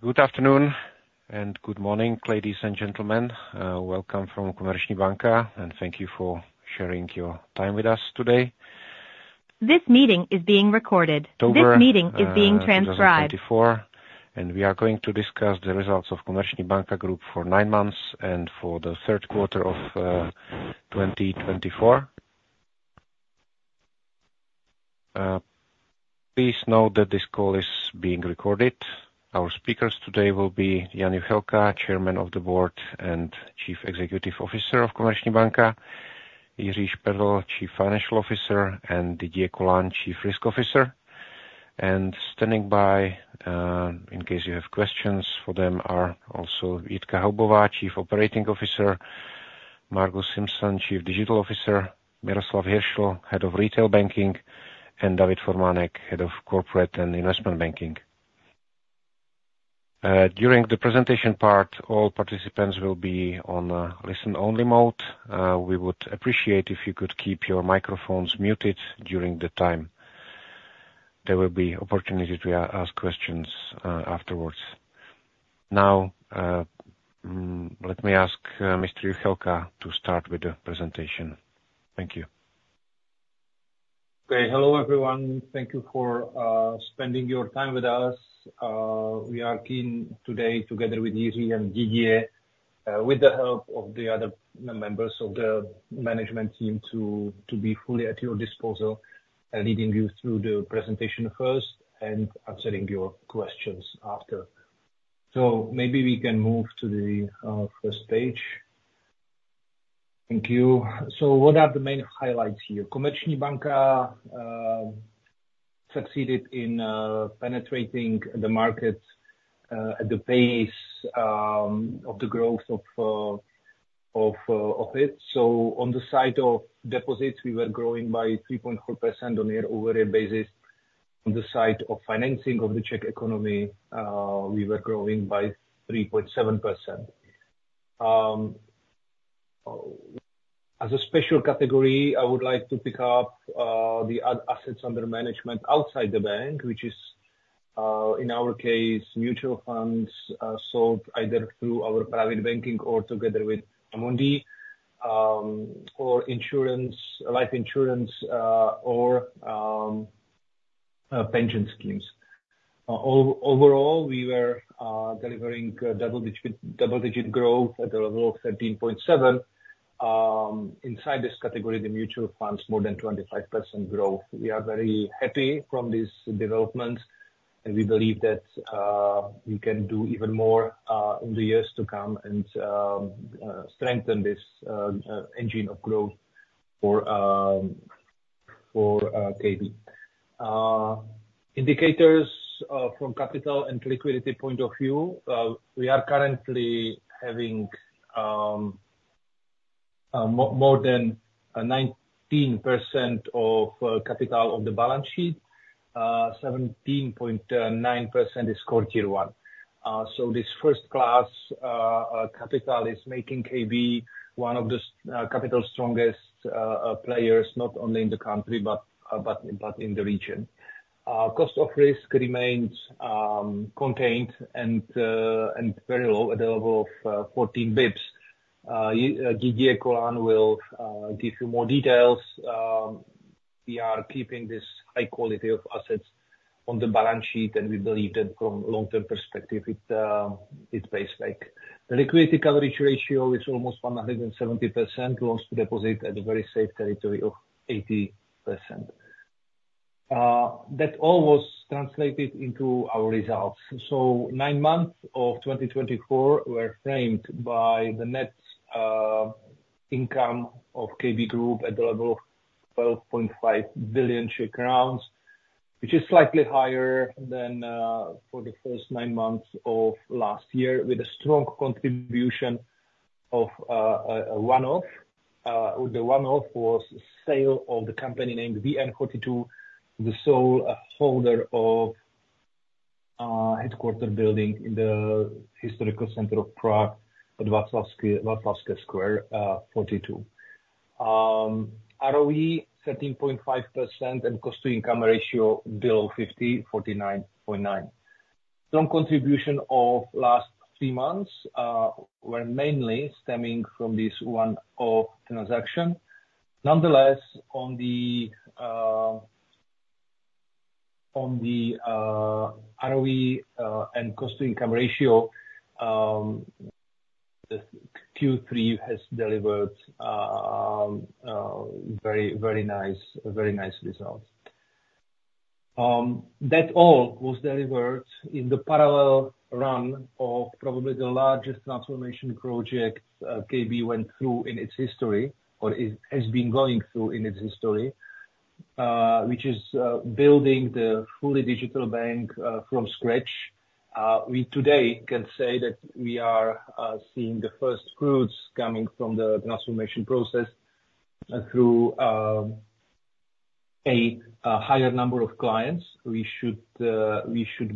Good afternoon and good morning, ladies and gentlemen. Welcome from Komerční banka, and thank you for sharing your time with us today. This meeting is being recorded. Over. This meeting is being transcribed. 2024, and we are going to discuss the results of Komerční banka Group for nine months and for the third quarter of 2024. Please note that this call is being recorded. Our speakers today will be Jan Juchelka, Chairman of the Board and Chief Executive Officer of Komerční banka, Jiří Šperl, Chief Financial Officer, and Didier Colin, Chief Risk Officer. And standing by, in case you have questions for them, are also Jitka Haubová, Chief Operating Officer, Margus Simson, Chief Digital Officer, Miroslav Hiršl, Head of Retail Banking, and David Formánek, Head of Corporate and Investment Banking. During the presentation part, all participants will be on listen-only mode. We would appreciate it if you could keep your microphones muted during the time. There will be opportunities to ask questions afterwards. Now, let me ask Mr. Juchelka to start with the presentation. Thank you. Okay. Hello, everyone. Thank you for spending your time with us. We are keen today, together with Jiří and Didier, with the help of the other members of the management team, to be fully at your disposal, leading you through the presentation first and answering your questions after. So maybe we can move to the first page. Thank you. So what are the main highlights here? Komerční banka succeeded in penetrating the market at the pace of the growth of it. So on the side of deposits, we were growing by 3.4% on a year-over-year basis. On the side of financing of the Czech economy, we were growing by 3.7%. As a special category, I would like to pick up the assets under management outside the bank, which is, in our case, mutual funds sold either through our private banking or together with Amundi, or life insurance, or pension schemes. Overall, we were delivering double-digit growth at the level of 13.7%. Inside this category, the mutual funds, more than 25% growth. We are very happy from this development, and we believe that we can do even more in the years to come and strengthen this engine of growth for KB. Indicators from capital and liquidity point of view, we are currently having more than 19% of capital on the balance sheet. 17.9% is quarter one. So this first-class capital is making KB one of the capital-strongest players, not only in the country but in the region. Cost of risk remains contained and very low at the level of 14 basis points. Didier Colin will give you more details. We are keeping this high quality of assets on the balance sheet, and we believe that from a long-term perspective, it pays back. The liquidity coverage ratio is almost 170%, loans to deposit at a very safe territory of 80%. That all was translated into our results. So nine months of 2024 were framed by the net income of KB Group at the level of 12.5 billion Czech crowns, which is slightly higher than for the first nine months of last year, with a strong contribution of one-off. The one-off was sale of the company named VN42, the sole holder of the headquarters building in the historical center of Prague, Václavské náměstí 42. ROE, 13.5%, and cost-to-income ratio below 50, 49.9%. Strong contribution of last three months were mainly stemming from this one-off transaction. Nonetheless, on the ROE and cost-to-income ratio, Q3 has delivered very nice results. That all was delivered in the parallel run of probably the largest transformation project KB went through in its history, or has been going through in its history, which is building the fully digital bank from scratch. We today can say that we are seeing the first fruits coming from the transformation process through a higher number of clients. We should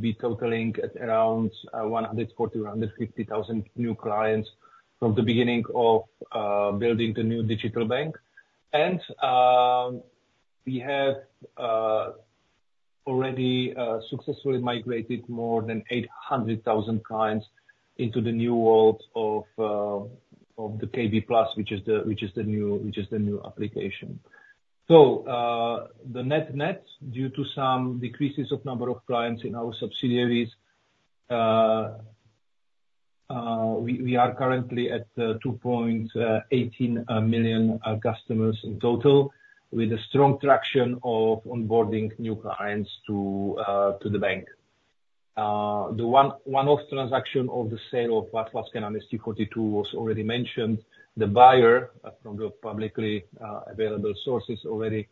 be totaling at around 140,000-150,000 new clients from the beginning of building the new digital bank, and we have already successfully migrated more than 800,000 clients into the new world of the KB Plus, which is the new application, so the net-net, due to some decreases of number of clients in our subsidiaries, we are currently at 2.18 million customers in total, with a strong traction of onboarding new clients to the bank. The one-off transaction of the sale of Václavské náměstí 42 was already mentioned. The buyer, from the publicly available sources, already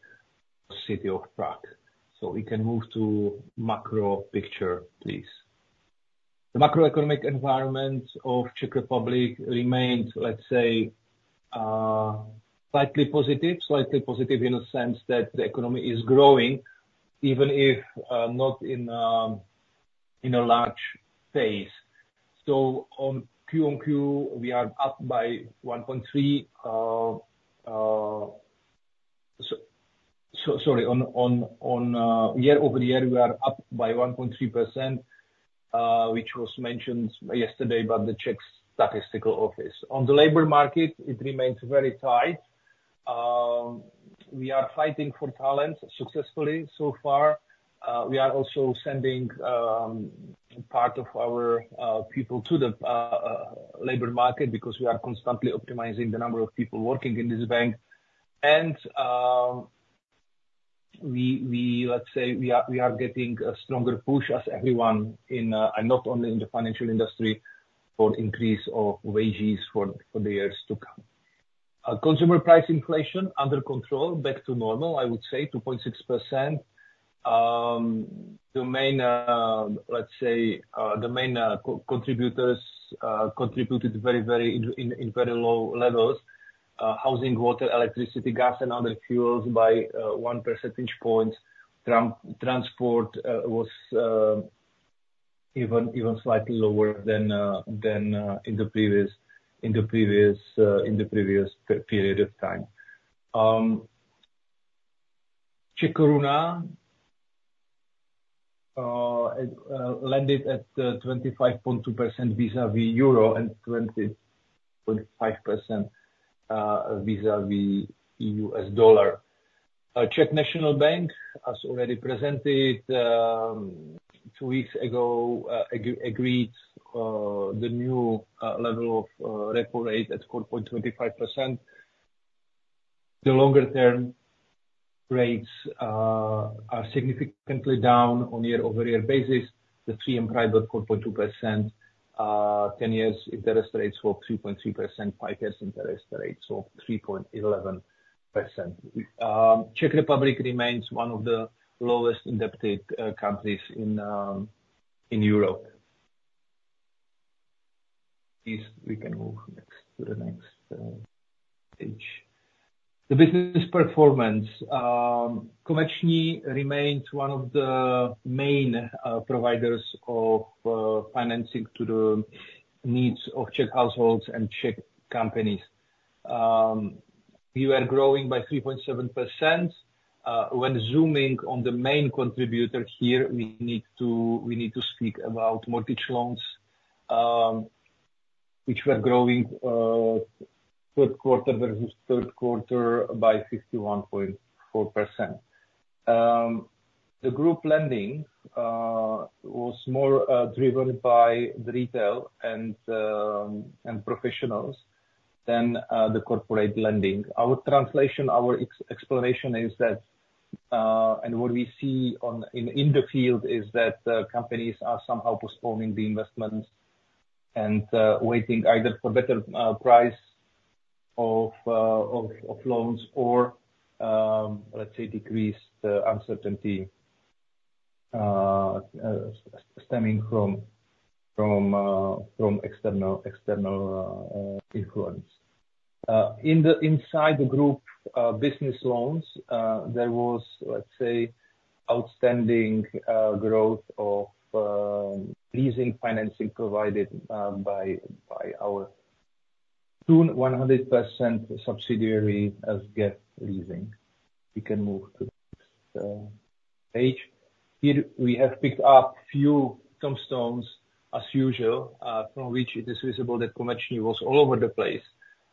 the City of Prague. So we can move to macro picture, please. The macroeconomic environment of the Czech Republic remained, let's say, slightly positive, slightly positive in the sense that the economy is growing, even if not in a large phase. So on Q1Q, we are up by 1.3%. Sorry, on year-over-year, we are up by 1.3%, which was mentioned yesterday by the Czech Statistical Office. On the labor market, it remains very tight. We are fighting for talent successfully so far. We are also sending part of our people to the labor market because we are constantly optimizing the number of people working in this bank, and we, let's say, are getting a stronger push as everyone, and not only in the financial industry, for increase of wages for the years to come. Consumer price inflation under control, back to normal, I would say, 2.6%. The main contributors to very low levels: housing, water, electricity, gas, and other fuels by 1 percentage point. Transport was even slightly lower than in the previous period of time. Czech koruna landed at 25.2 vis-à-vis euro and 25 vis-à-vis U.S. dollar. Czech National Bank, as already presented two weeks ago, agreed to the new level of repo rate at 4.25%. The longer-term rates are significantly down on a year-over-year basis. The 3M PRIBOR 4.2%, 10-year interest rates of 3.3%, 5-year interest rates of 3.11%. Czech Republic remains one of the lowest indebted countries in Europe. Please, we can move to the next page. The business performance, Komerční remains one of the main providers of financing to the needs of Czech households and Czech companies. We were growing by 3.7%. When zooming on the main contributor here, we need to speak about mortgage loans, which were growing third quarter versus third quarter by 51.4%. The group lending was more driven by the retail and professionals than the corporate lending. Our translation, our explanation is that, and what we see in the field is that companies are somehow postponing the investments and waiting either for better price of loans or, let's say, decreased uncertainty stemming from external influence. Inside the group business loans, there was, let's say, outstanding growth of leasing financing provided by our soon 100% subsidiary SGEF Leasing. We can move to the next page. Here we have picked up a few tombstones, as usual, from which it is visible that Komerční was all over the place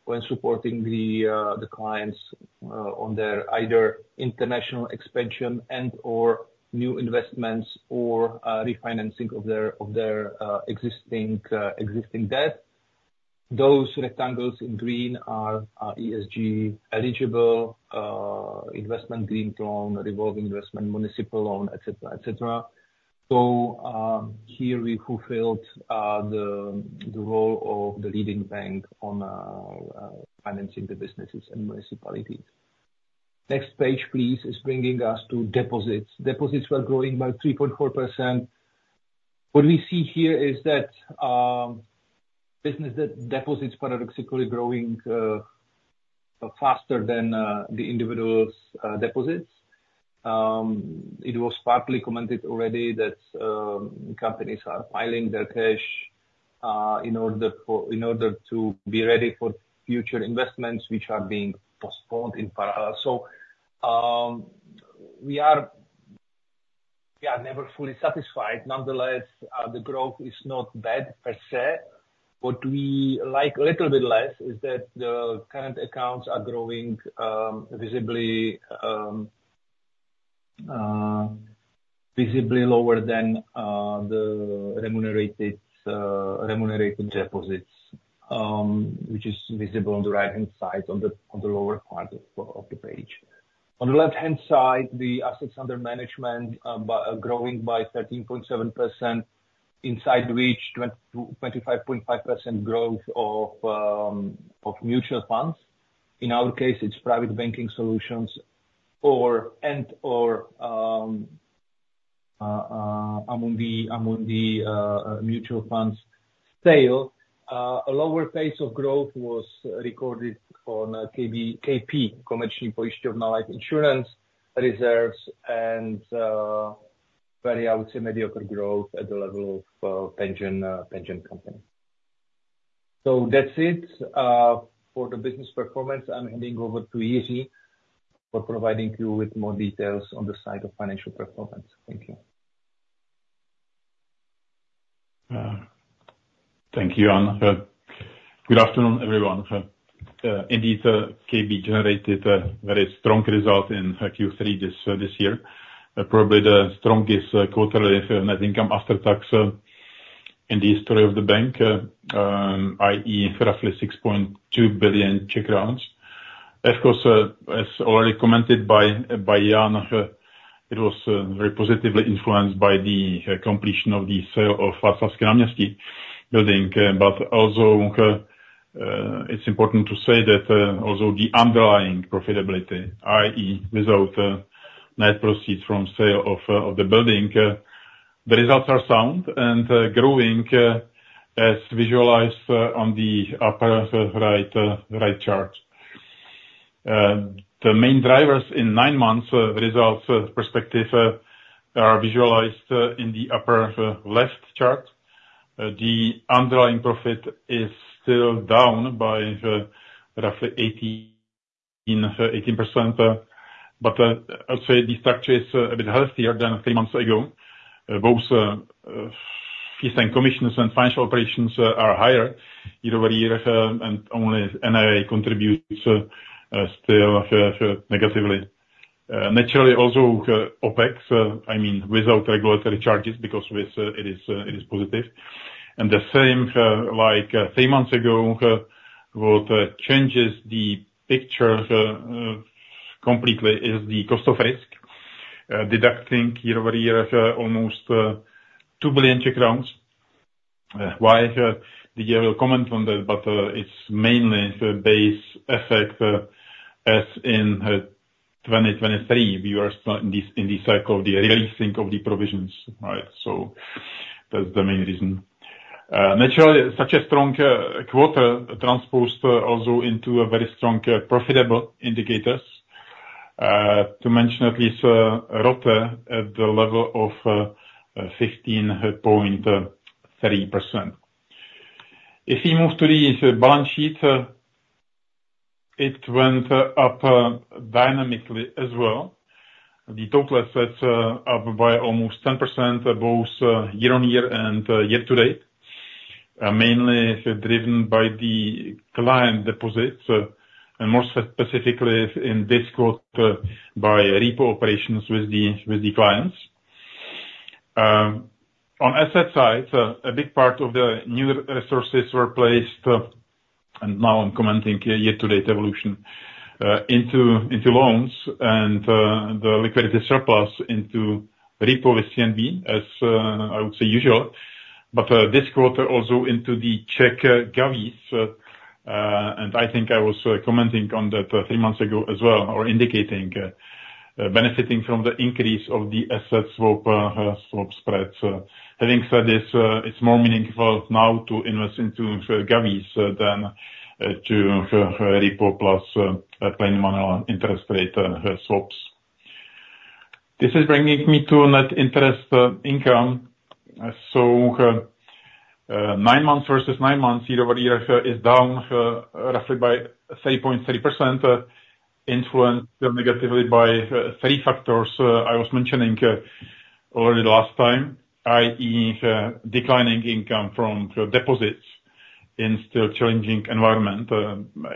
when supporting the clients on their either international expansion and/or new investments or refinancing of their existing debt. Those rectangles in green are ESG eligible investment, green loan, revolving investment, municipal loan, etc., etc. So here we fulfilled the role of the leading bank on financing the businesses and municipalities. Next page, please, is bringing us to deposits. Deposits were growing by 3.4%. What we see here is that business deposits paradoxically are growing faster than the individuals' deposits. It was partly commented already that companies are piling their cash in order to be ready for future investments, which are being postponed in parallel. So we are never fully satisfied. Nonetheless, the growth is not bad per se. What we like a little bit less is that the current accounts are growing visibly lower than the remunerated deposits, which is visible on the right-hand side on the lower part of the page. On the left-hand side, the assets under management are growing by 13.7%, inside which 25.5% growth of mutual funds. In our case, it's private banking solutions and/or Amundi mutual funds sale. A lower pace of growth was recorded on Komerční pojišťovna life insurance reserves, and very, I would say, mediocre growth at the level of pension company. So that's it for the business performance. I'm handing over to Jiří for providing you with more details on the side of financial performance. Thank you. Thank you, Jan. Good afternoon, everyone. Indeed, KB generated a very strong result in Q3 this year, probably the strongest quarterly net income after tax in the history of the bank, i.e., roughly 6.2 billion. Of course, as already commented by Jan, it was very positively influenced by the completion of the sale of Václavské náměstí building. But also, it's important to say that although the underlying profitability, i.e., without net proceeds from sale of the building, the results are sound and growing, as visualized on the upper right chart. The main drivers in nine months' results perspective are visualized in the upper left chart. The underlying profit is still down by roughly 18%, but I would say the structure is a bit healthier than three months ago. Both fees and commissions and financial operations are higher year over year, and only NII contributes still negatively. Naturally, also OPEX, I mean, without regulatory charges, because it is positive. And the same, like three months ago, what changes the picture completely is the cost of risk, deducting year over year almost 2 billion. Why? Didier will comment on that, but it's mainly the base effect. As in 2023, we were still in the cycle of the releasing of the provisions, right? So that's the main reason. Naturally, such a strong quarter transposed also into very strong profitable indicators, to mention at least ROTE at the level of 15.3%. If we move to the balance sheet, it went up dynamically as well. The total assets are up by almost 10%, both year on year and year to date, mainly driven by the client deposits, and more specifically in this quarter by repo operations with the clients. On asset side, a big part of the new resources were placed, and now I'm commenting year to date evolution, into loans and the liquidity surplus into repo with CNB, as I would say usual. But this quarter also into the Czech Govies, and I think I was commenting on that three months ago as well, or indicating benefiting from the increase of the asset swap spreads. Having said this, it's more meaningful now to invest into Govies than to repo plus plain vanilla interest rate swaps. This is bringing me to net interest income. So nine months versus nine months, year over year is down roughly by 3.3%, influenced negatively by three factors I was mentioning already last time, i.e., declining income from deposits in still challenging environment.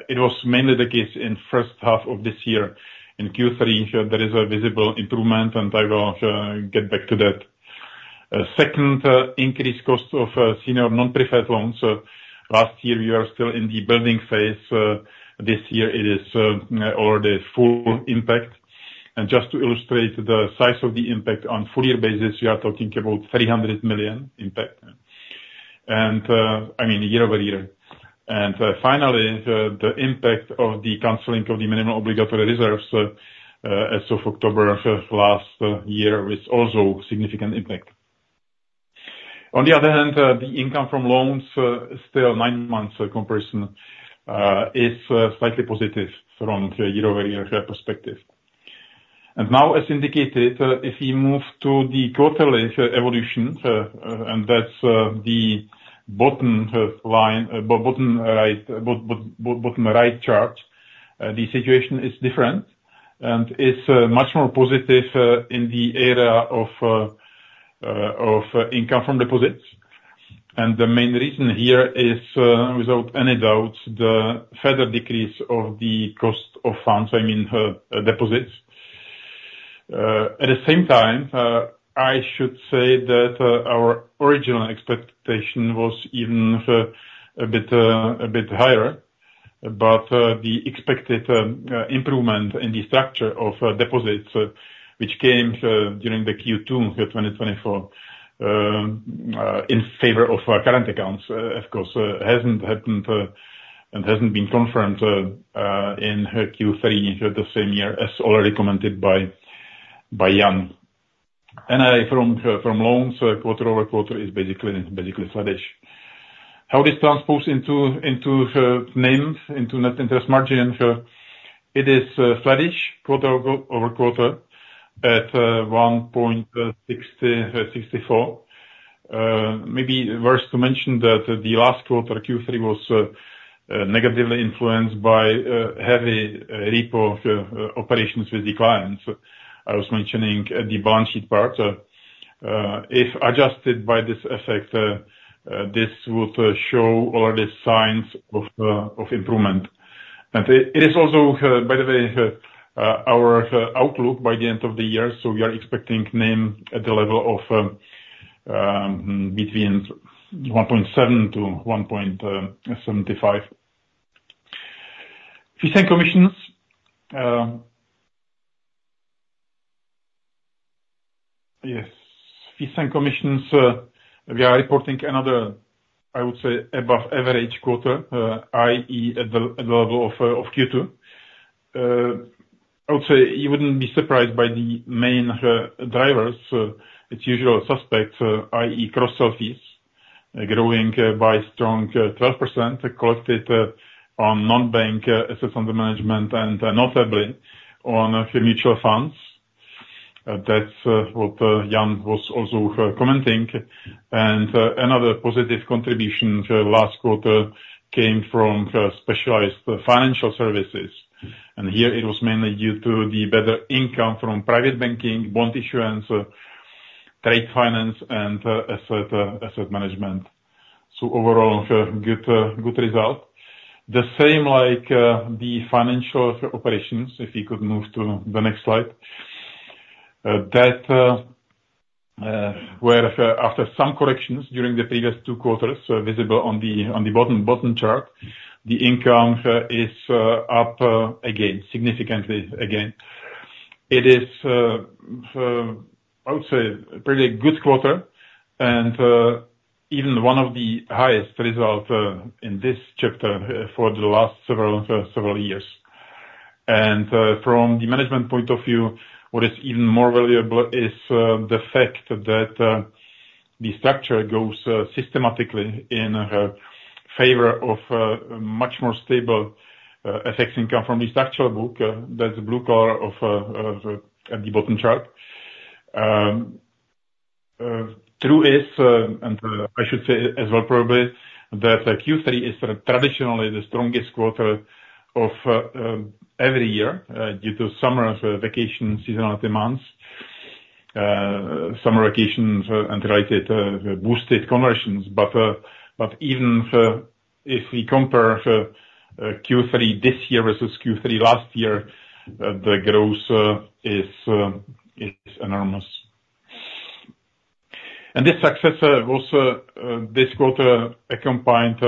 It was mainly the case in the first half of this year. In Q3, there is a visible improvement, and I will get back to that. Second, increased cost of senior non-preferred loans. Last year, we were still in the building phase. This year, it is already full impact. Just to illustrate the size of the impact on a full-year basis, we are talking about 300 million impact. I mean, year over year. Finally, the impact of the canceling of the minimum obligatory reserves as of October last year was also significant impact. On the other hand, the income from loans still nine months' comparison is slightly positive from a year-over-year perspective. Now, as indicated, if we move to the quarterly evolution, and that's the bottom right chart, the situation is different and is much more positive in the area of income from deposits. The main reason here is, without any doubt, the further decrease of the cost of funds, I mean, deposits. At the same time, I should say that our original expectation was even a bit higher, but the expected improvement in the structure of deposits, which came during Q2 2024 in favor of current accounts, of course, has not happened and has not been confirmed in Q3 the same year, as already commented by Jan. NII from loans quarter over quarter is basically sluggish. How this transposes into NIMs, into net interest margin, it is sluggish quarter over quarter at 1.64%. Maybe worth to mention that the last quarter, Q3, was negatively influenced by heavy repo operations with the clients. I was mentioning the balance sheet part. If adjusted by this effect, this would show already signs of improvement, and it is also, by the way, our outlook by the end of the year, so we are expecting NIM at the level of between 1.7% to 1.75%. Fees and commissions. Yes. Fees and commissions, we are reporting another, I would say, above-average quarter, i.e., at the level of Q2. I would say you wouldn't be surprised by the main drivers. It's usual suspects, i.e., cross-sell fees, growing by strong 12%, collected on non-bank assets under management and notably on mutual funds. That's what Jan was also commenting. And another positive contribution last quarter came from specialized financial services. And here, it was mainly due to the better income from private banking, bond issuance, trade finance, and asset management. So overall, good result. The same like the financial operations. If we could move to the next slide. That were, after some corrections during the previous two quarters, visible on the bottom chart, the income is up again, significantly again. It is, I would say, a pretty good quarter and even one of the highest results in this chapter for the last several years. And from the management point of view, what is even more valuable is the fact that the structure goes systematically in favor of much more stable effects income from the structural book. That's the blue color of the bottom chart. True is, and I should say as well, probably, that Q3 is traditionally the strongest quarter of every year due to summer vacation seasonality months. Summer vacations and related boosted conversions. But even if we compare Q3 this year versus Q3 last year, the growth is enormous. This success was this quarter accompanied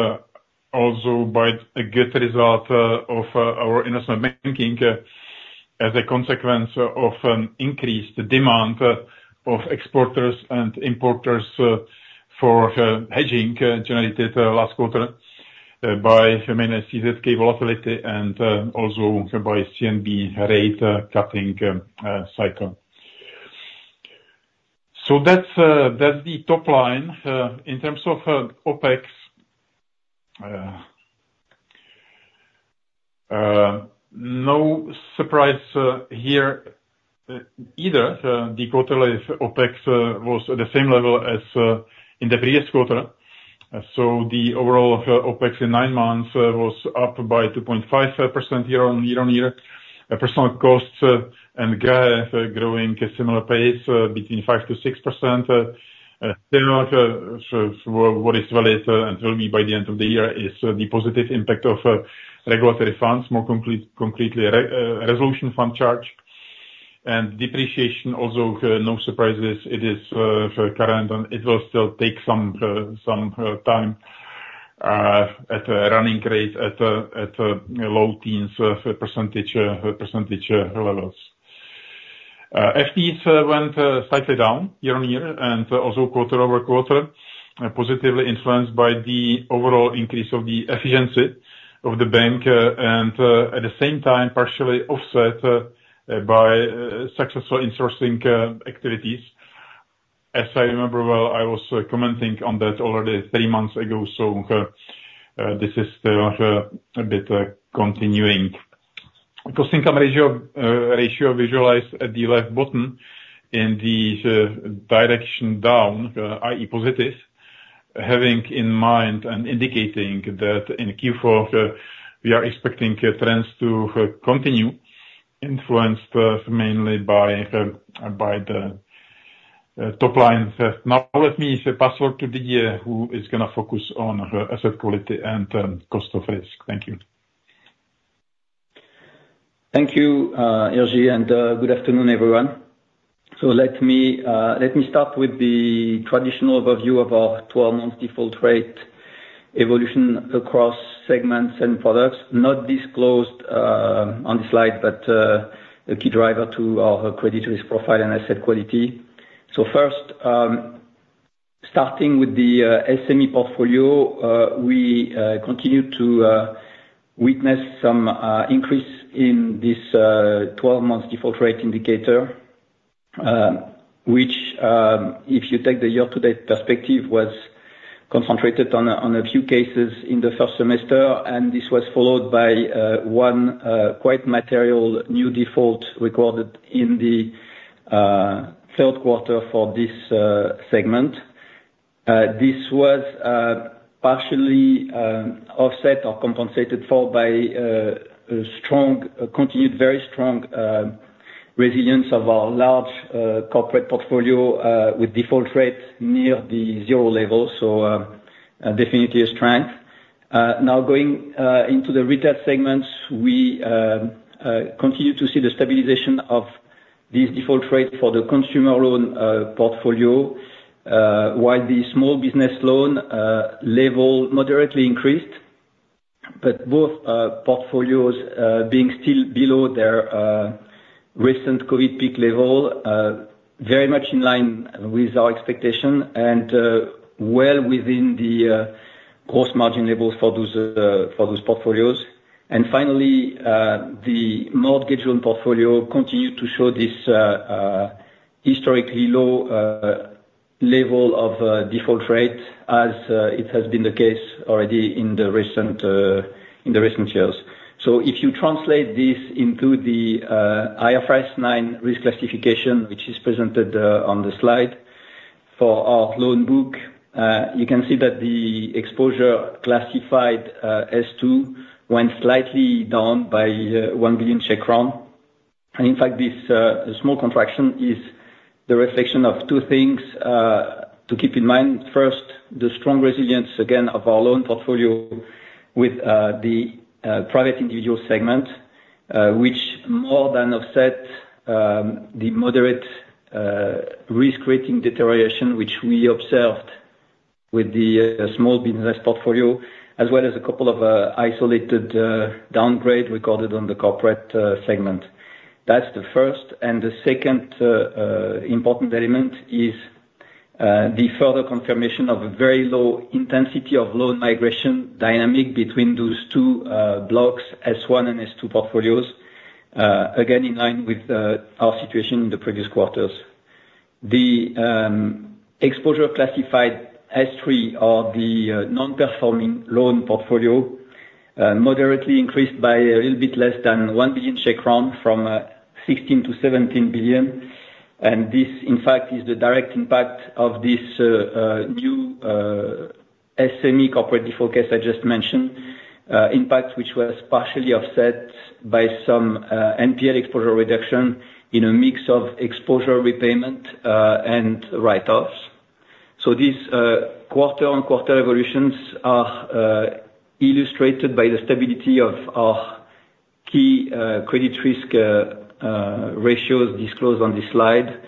also by a good result of our investment banking as a consequence of increased demand of exporters and importers for hedging generated last quarter by mainly CZK volatility and also by CNB rate cutting cycle. So that's the top line in terms of OPEX. No surprise here either. The quarterly OPEX was at the same level as in the previous quarter. So the overall OPEX in nine months was up by 2.5% year on year. Personal costs and G&A growing at a similar pace between 5% to 6%. What is valid and will be by the end of the year is the positive impact of regulatory funds, more concretely resolution fund charge. And depreciation also, no surprises, it is current and it will still take some time at a running rate at low teens % levels. FTEs went slightly down year on year and also quarter over quarter, positively influenced by the overall increase of the efficiency of the bank and at the same time partially offset by successful insourcing activities. As I remember well, I was commenting on that already three months ago. So this is still a bit continuing. Cost income ratio visualized at the left bottom in the direction down, i.e., positive, having in mind and indicating that in Q4 we are expecting trends to continue, influenced mainly by the top line. Now, let me pass over to Didier, who is going to focus on asset quality and cost of risk. Thank you. Thank you, Jiří, and good afternoon, everyone. So let me start with the traditional overview of our 12-month default rate evolution across segments and products, not disclosed on the slide, but a key driver to our credit risk profile and asset quality. So first, starting with the SME portfolio, we continue to witness some increase in this 12-month default rate indicator, which, if you take the year-to-date perspective, was concentrated on a few cases in the first semester, and this was followed by one quite material new default recorded in the third quarter for this segment. This was partially offset or compensated for by a strong, continued, very strong resilience of our large corporate portfolio with default rates near the zero level. So definitely a strength. Now, going into the retail segments, we continue to see the stabilization of these default rates for the consumer loan portfolio, while the small business loan level moderately increased, but both portfolios being still below their recent COVID peak level, very much in line with our expectation and well within the gross margin levels for those portfolios, and finally, the mortgage loan portfolio continued to show this historically low level of default rate, as it has been the case already in the recent years, so if you translate this into the IFRS 9 risk classification, which is presented on the slide for our loan book, you can see that the exposure classified as 2 went slightly down by 1 billion Czech crown. And in fact, this small contraction is the reflection of two things to keep in mind. First, the strong resilience, again, of our loan portfolio with the private individual segment, which more than offset the moderate risk-rating deterioration, which we observed with the small business portfolio, as well as a couple of isolated downgrades recorded on the corporate segment. That's the first. And the second important element is the further confirmation of a very low intensity of loan migration dynamic between those two blocks, S1 and S2 portfolios, again, in line with our situation in the previous quarters. The exposure classified as 3, or the non-performing loan portfolio, moderately increased by a little bit less than 1 billion Czech crown from 16 billion to 17 billion. And this, in fact, is the direct impact of this new SME corporate default case I just mentioned, impact which was partially offset by some NPL exposure reduction in a mix of exposure repayment and write-offs. These quarter-on-quarter evolutions are illustrated by the stability of our key credit risk ratios disclosed on the slide,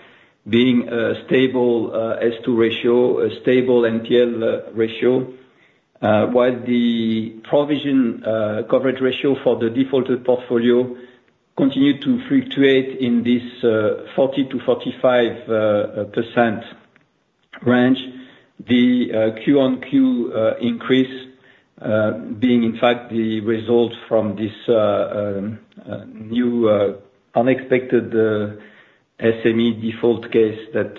being a stable S2 ratio, a stable NPL ratio, while the provision coverage ratio for the defaulted portfolio continued to fluctuate in this 40%-45% range. The Q on Q increase being, in fact, the result from this new unexpected SME default case that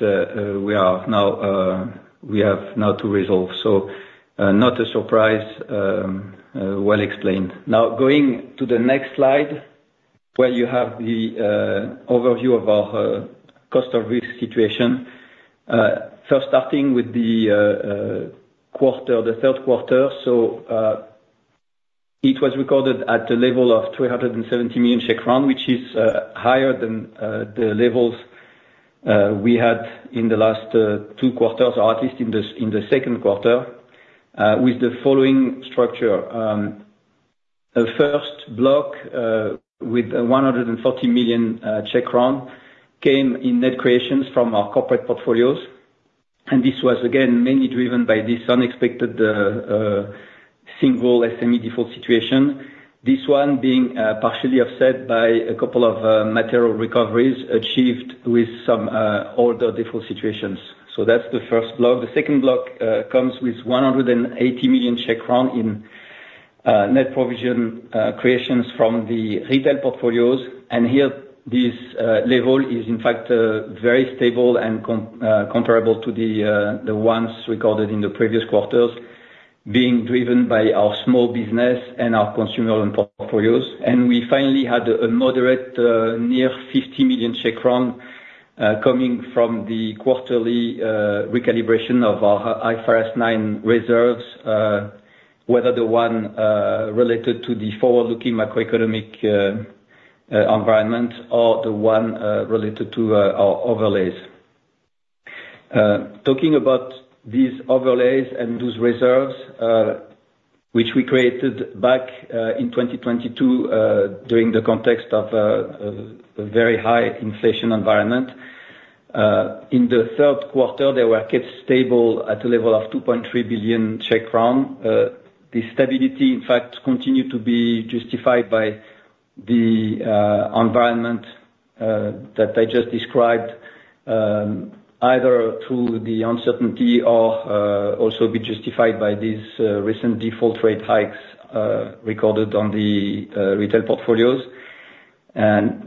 we have now to resolve. So not a surprise, well explained. Now, going to the next slide, where you have the overview of our cost of risk situation. First, starting with the quarter, the third quarter. So it was recorded at the level of 370 million, which is higher than the levels we had in the last two quarters, or at least in the second quarter, with the following structure. The first block with 140 million came in net creations from our corporate portfolios. And this was, again, mainly driven by this unexpected single SME default situation, this one being partially offset by a couple of material recoveries achieved with some older default situations. So that's the first block. The second block comes with 180 million in net provision creations from the retail portfolios. And here, this level is, in fact, very stable and comparable to the ones recorded in the previous quarters, being driven by our small business and our consumer loan portfolios. And we finally had a moderate near 50 million Czech crown coming from the quarterly recalibration of our IFRS 9 reserves, whether the one related to the forward-looking macroeconomic environment or the one related to our overlays. Talking about these overlays and those reserves, which we created back in 2022 during the context of a very high inflation environment, in the third quarter, they were kept stable at the level of 2.3 billion Czech crown. The stability, in fact, continued to be justified by the environment that I just described, either through the uncertainty or also be justified by these recent default rate hikes recorded on the retail portfolios.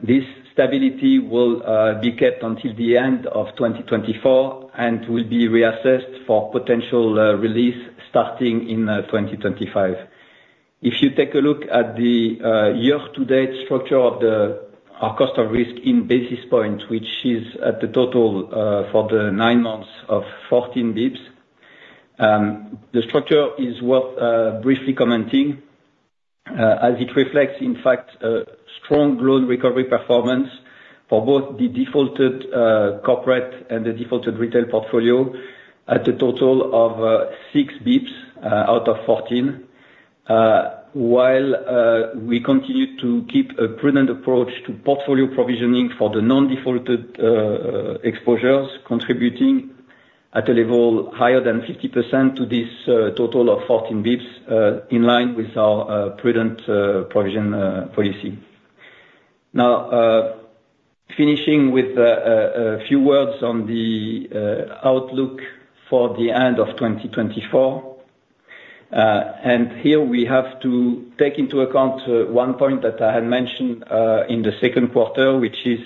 This stability will be kept until the end of 2024 and will be reassessed for potential release starting in 2025. If you take a look at the year-to-date structure of our cost of risk in basis points, which is at the total for the nine months of 14 basis points, the structure is worth briefly commenting, as it reflects, in fact, a strong loan recovery performance for both the defaulted corporate and the defaulted retail portfolio at a total of 6 basis points out of 14, while we continue to keep a prudent approach to portfolio provisioning for the non-defaulted exposures, contributing at a level higher than 50% to this total of 14 basis points, in line with our prudent provision policy. Now, finishing with a few words on the outlook for the end of 2024. And here, we have to take into account one point that I had mentioned in the second quarter, which is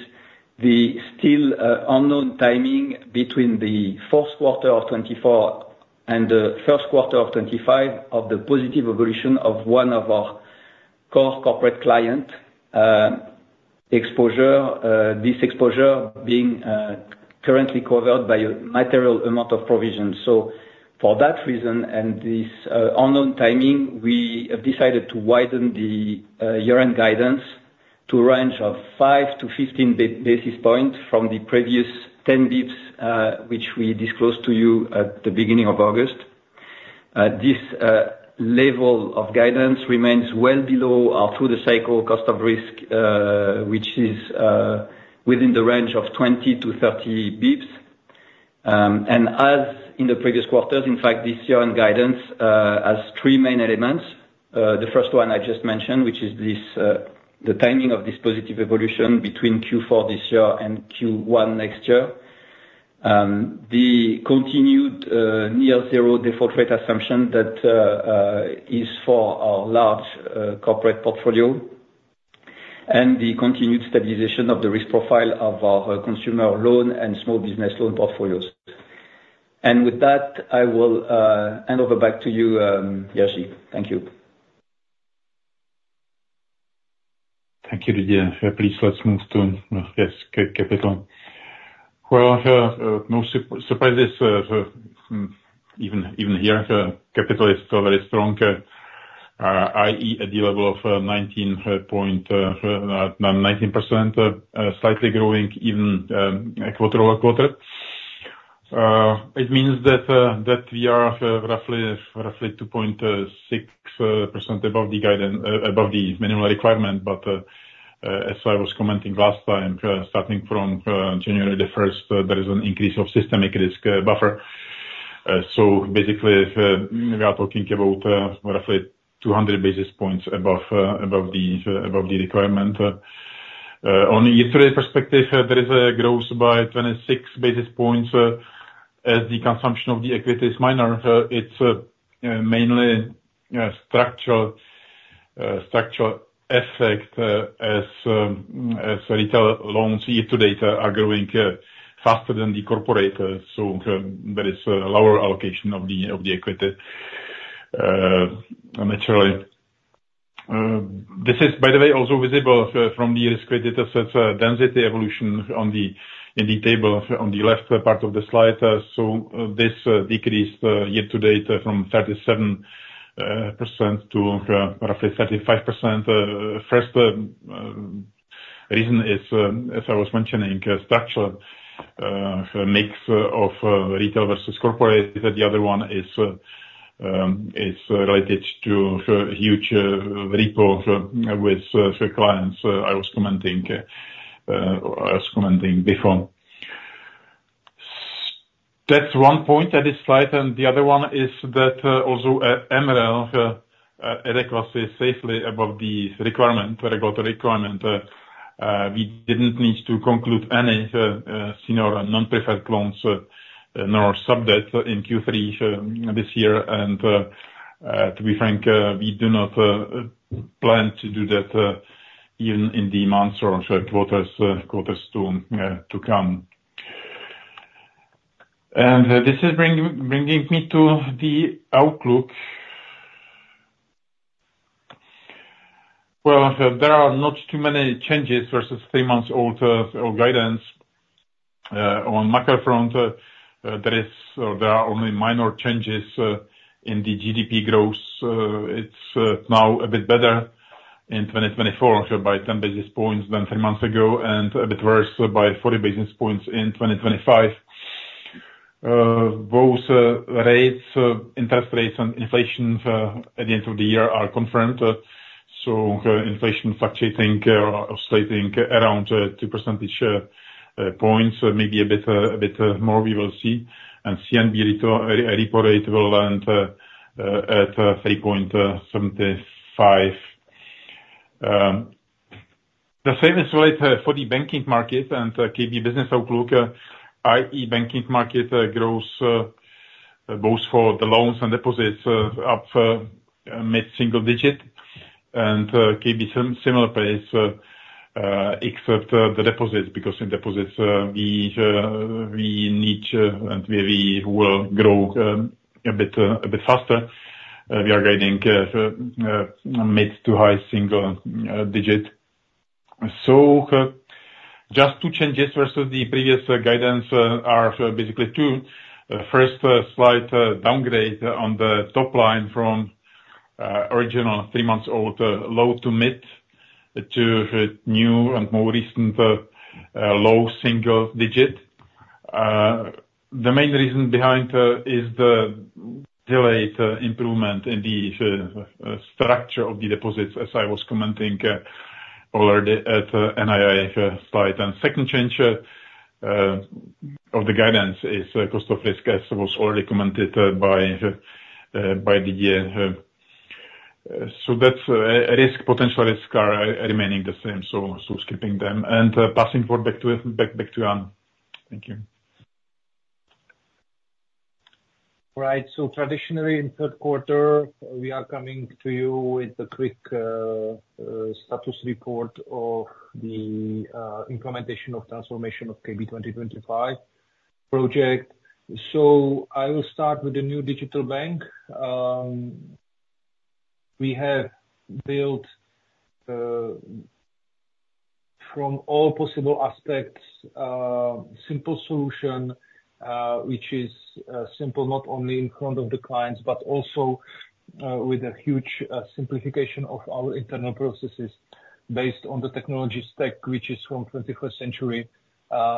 the still unknown timing between the fourth quarter of 2024 and the first quarter of 2025 of the positive evolution of one of our core corporate client exposure, this exposure being currently covered by a material amount of provision. So for that reason and this unknown timing, we have decided to widen the year-end guidance to a range of 5 to 15 basis points from the previous 10 basis points, which we disclosed to you at the beginning of August. This level of guidance remains well below our through-the-cycle cost of risk, which is within the range of 20 to 30 basis points. And as in the previous quarters, in fact, this year-end guidance has three main elements. The first one I just mentioned, which is the timing of this positive evolution between Q4 this year and Q1 next year, the continued near-zero default rate assumption that is for our large corporate portfolio, and the continued stabilization of the risk profile of our consumer loan and small business loan portfolios, and with that, I will hand over back to you, Jiří. Thank you. Thank you, Didier. Please, let's move to yes, capital, well, no surprises, even here, capital is still very strong, i.e., at the level of 19%, slightly growing even quarter over quarter. It means that we are roughly 2.6% above the minimum requirement, but as I was commenting last time, starting from January the 1st, there is an increase of systemic risk buffer, so basically, we are talking about roughly 200 basis points above the requirement. On the year-to-date perspective, there is a growth by 26 basis points. As the consumption of the equity is minor, it's mainly structural effect, as retail loans year-to-date are growing faster than the corporate. So there is a lower allocation of the equity, naturally. This is, by the way, also visible from the risk-weighted asset density evolution on the table on the left part of the slide. So this decreased year-to-date from 37% to roughly 35%. First reason is, as I was mentioning, structural mix of retail versus corporate. The other one is related to huge repo with clients I was commenting before. That's one point at this slide. And the other one is that although MREL adequately safely above the requirement, the regulatory requirement, we didn't need to conclude any senior non-preferred loans nor subdebt in Q3 this year. To be frank, we do not plan to do that even in the months or quarters to come. This is bringing me to the outlook. There are not too many changes versus three months old guidance. On macro front, there are only minor changes in the GDP growth. It's now a bit better in 2024 by 10 basis points than three months ago and a bit worse by 40 basis points in 2025. Both rates, interest rates, and inflation at the end of the year are confirmed. Inflation fluctuating or oscillating around 2 percentage points, maybe a bit more, we will see. CNB repo rate will land at 3.75. The same is related for the banking market and KB business outlook, i.e., banking market growth, both for the loans and deposits, up mid-single-digit and KB similar pace, except the deposits, because in deposits, we need and we will grow a bit faster. We are gaining mid- to high-single-digit. So just two changes versus the previous guidance are basically two. First slide, downgrade on the top line from original three months old low- to mid- to new and more recent low-single-digit. The main reason behind is the delayed improvement in the structure of the deposits, as I was commenting already at NII slide. And second change of the guidance is cost of risk, as was already commented by Didier. So that's a risk, potential risk are remaining the same. So skipping them and passing back to Jan. Thank you. Right. Traditionally, in third quarter, we are coming to you with a quick status report of the implementation of transformation of KB 2025 project. I will start with the new digital bank. We have built from all possible aspects a simple solution, which is simple not only in front of the clients, but also with a huge simplification of our internal processes based on the technology stack, which is from 21st century,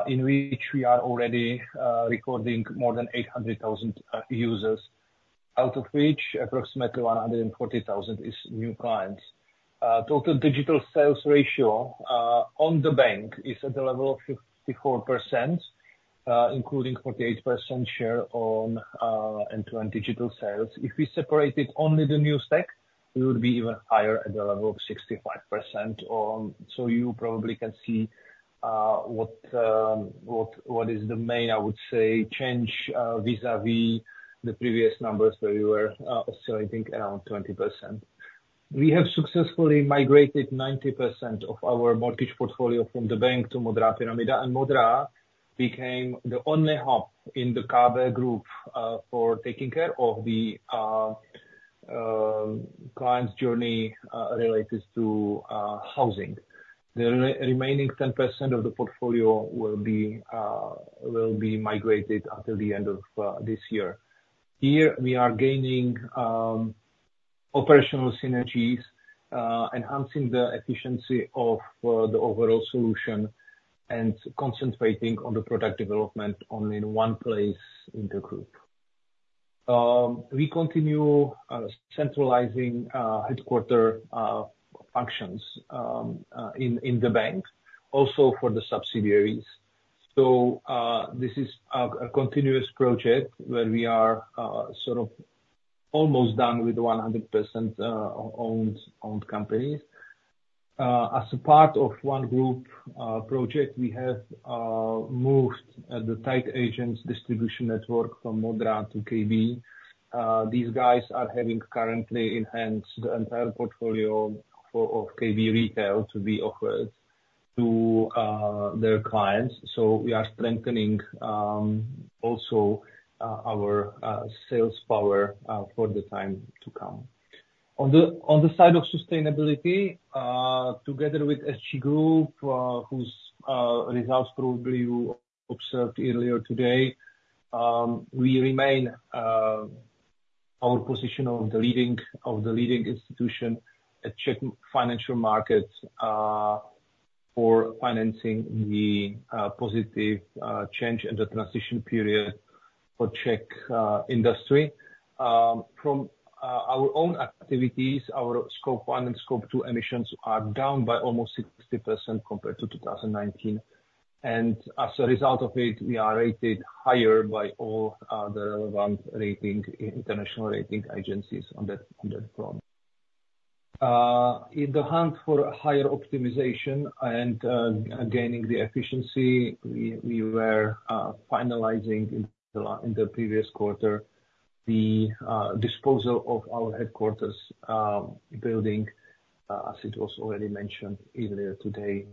in which we are already recording more than 800,000 users, out of which approximately 140,000 is new clients. Total digital sales ratio on the bank is at the level of 54%, including 48% share on end-to-end digital sales. If we separated only the new stack, we would be even higher at the level of 65%. You probably can see what is the main, I would say, change vis-à-vis the previous numbers where we were oscillating around 20%. We have successfully migrated 90% of our mortgage portfolio from the bank to Modrá Pyramida. Modrá Pyramida became the only hub in the KB Group for taking care of the client's journey related to housing. The remaining 10% of the portfolio will be migrated until the end of this year. Here, we are gaining operational synergies, enhancing the efficiency of the overall solution and concentrating on the product development only in one place in the group. We continue centralizing headquarters functions in the bank, also for the subsidiaries. This is a continuous project where we are sort of almost done with 100% owned companies. As a part of one group project, we have moved the tied agents distribution network from Modrá Pyramida to KB. These guys are having currently enhanced the entire portfolio of KB retail to be offered to their clients. So we are strengthening also our sales power for the time to come. On the side of sustainability, together with SG Group, whose results probably you observed earlier today, we remain our position of the leading institution at Czech financial markets for financing the positive change and the transition period for Czech industry. From our own activities, our scope one and scope two emissions are down by almost 60% compared to 2019, and as a result of it, we are rated higher by all the relevant international rating agencies on that front. In the hunt for higher optimization and gaining the efficiency, we were finalizing in the previous quarter the disposal of our headquarters building, as it was already mentioned earlier today.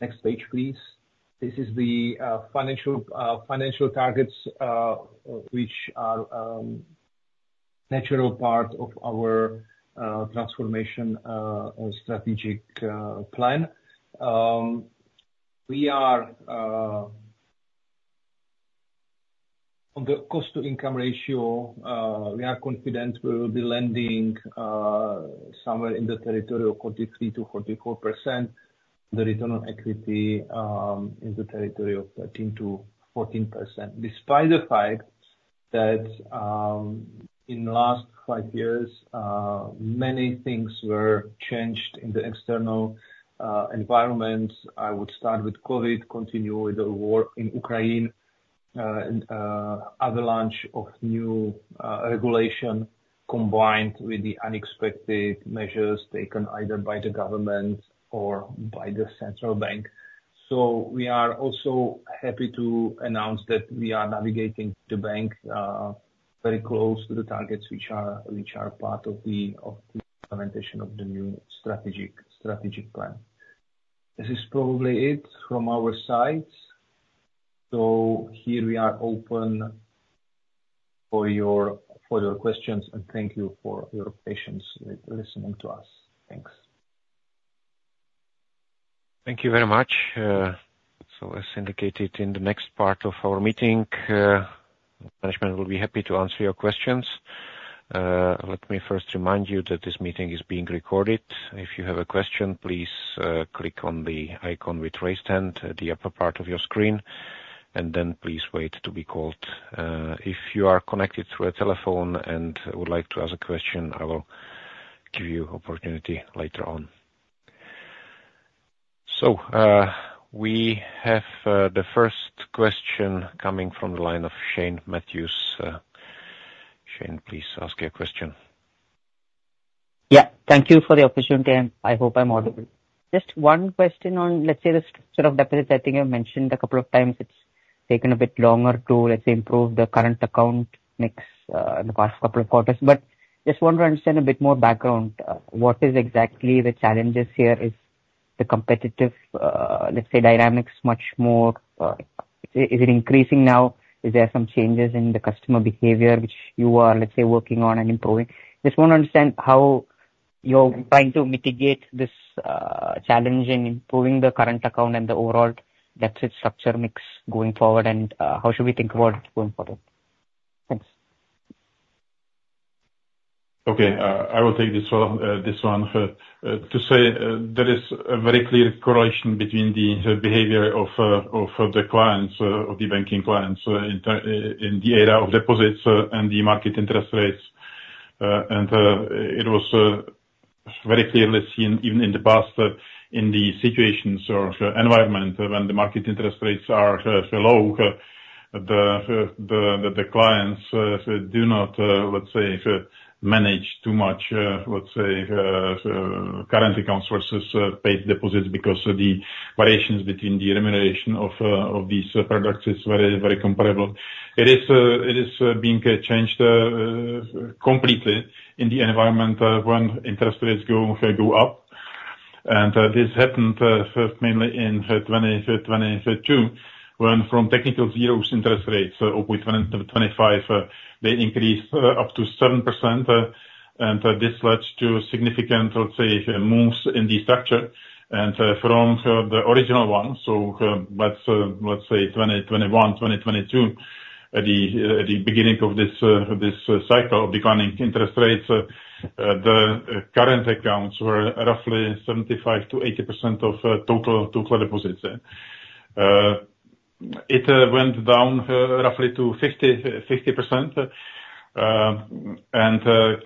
Next page, please. This is the financial targets, which are a natural part of our transformation strategic plan. On the cost-to-income ratio, we are confident we will be landing somewhere in the territory of 43%-44%. The return on equity is in the territory of 13%-14%, despite the fact that in the last five years, many things were changed in the external environment. I would start with COVID, continue with the war in Ukraine, and the avalanche of new regulation combined with the unexpected measures taken either by the government or by the central bank, so we are also happy to announce that we are navigating the bank very close to the targets which are part of the implementation of the new strategic plan. This is probably it from our side, so here, we are open for your questions, and thank you for your patience listening to us. Thanks. Thank you very much. So as indicated in the next part of our meeting, management will be happy to answer your questions. Let me first remind you that this meeting is being recorded. If you have a question, please click on the icon with raised hand at the upper part of your screen, and then please wait to be called. If you are connected through a telephone and would like to ask a question, I will give you an opportunity later on. So we have the first question coming from the line of Shane Matthews. Shane, please ask your question. Yeah. Thank you for the opportunity, and I hope I'm audible. Just one question on, let's say, the structure of deposits. I think I've mentioned a couple of times it's taken a bit longer to, let's say, improve the current account mix in the past couple of quarters. But just want to understand a bit more background. What is exactly the challenges here? Is the competitive, let's say, dynamics much more? Is it increasing now? Is there some changes in the customer behavior, which you are, let's say, working on and improving? Just want to understand how you're trying to mitigate this challenge in improving the current account and the overall deposit structure mix going forward, and how should we think about it going forward? Thanks. Okay. I will take this one. To say there is a very clear correlation between the behavior of the clients, of the banking clients, in the area of deposits and the market interest rates. It was very clearly seen even in the past in the situations or environment when the market interest rates are low, that the clients do not, let's say, manage too much, let's say, current accounts versus paid deposits because the variations between the remuneration of these products is very comparable. It is being changed completely in the environment when interest rates go up. This happened mainly in 2022 when from technical zero interest rates of 0.25%, they increased up to 7%, and this led to significant, let's say, moves in the structure. From the original one, so let's say 2021, 2022, at the beginning of this cycle of declining interest rates, the current accounts were roughly 75%-80% of total deposits. It went down roughly to 50%.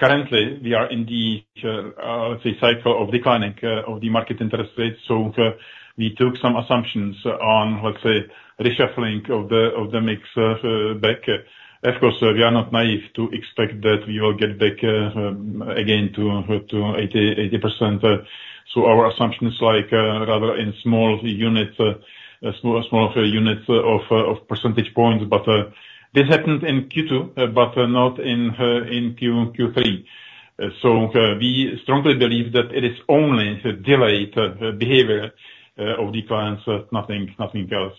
Currently, we are in the, let's say, cycle of declining of the market interest rates. So we took some assumptions on, let's say, reshuffling of the mix back. Of course, we are not naive to expect that we will get back again to 80%. So our assumptions like rather in small units, small units of percentage points. But this happened in Q2, but not in Q3. So we strongly believe that it is only delayed behavior of the clients, nothing else.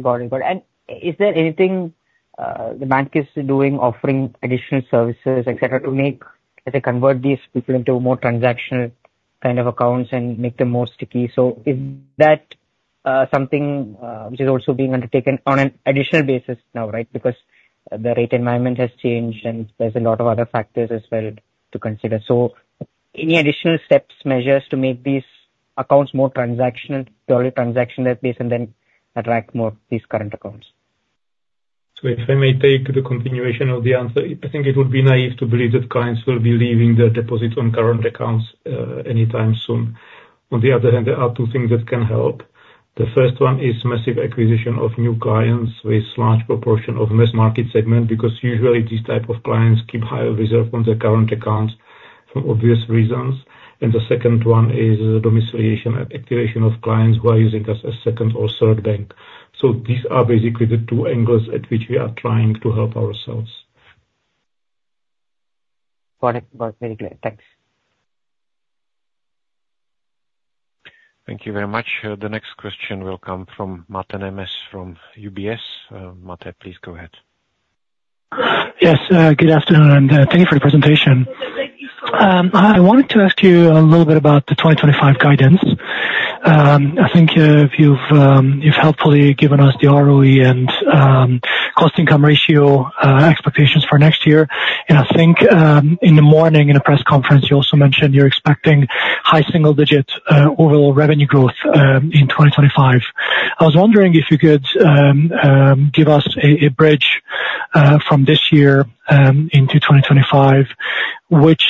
Got it. Got it. And is there anything the bank is doing, offering additional services, etc., to make, let's say, convert these people into more transactional kind of accounts and make them more sticky? So is that something which is also being undertaken on an additional basis now, right? Because the rate environment has changed, and there's a lot of other factors as well to consider. So any additional steps, measures to make these accounts more transactional, purely transactional base, and then attract more of these current accounts? So if I may take the continuation of the answer, I think it would be naive to believe that clients will be leaving their deposits on current accounts anytime soon. On the other hand, there are two things that can help. The first one is massive acquisition of new clients with a large proportion of the mass market segment, because usually these types of clients keep higher reserves on their current accounts for obvious reasons. And the second one is domiciliation and activation of clients who are using us as a second or third bank. So these are basically the two angles at which we are trying to help ourselves. Got it. Got it. Very clear. Thanks. Thank you very much. The next question will come from Máté Nemes from UBS. Mate, please go ahead. Yes. Good afternoon, and thank you for the presentation. I wanted to ask you a little bit about the 2025 guidance. I think you've helpfully given us the ROE and cost-income ratio expectations for next year. And I think in the morning in a press conference, you also mentioned you're expecting high single-digit overall revenue growth in 2025. I was wondering if you could give us a bridge from this year into 2025, which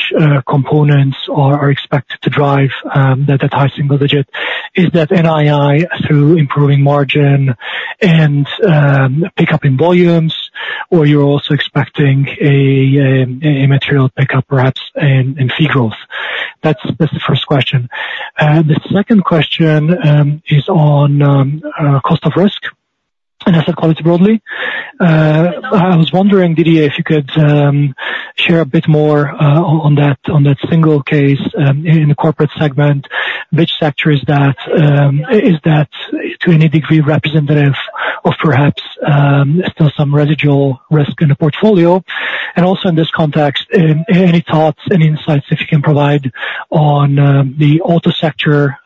components are expected to drive that high single digit. Is that NII through improving margin and pickup in volumes, or you're also expecting a material pickup, perhaps, in fee growth? That's the first question. The second question is on cost of risk and asset quality broadly. I was wondering, Didier, if you could share a bit more on that single case in the corporate segment. Which sector is that? Is that to any degree representative of perhaps still some residual risk in the portfolio? And also in this context, any thoughts and insights if you can provide on the auto sector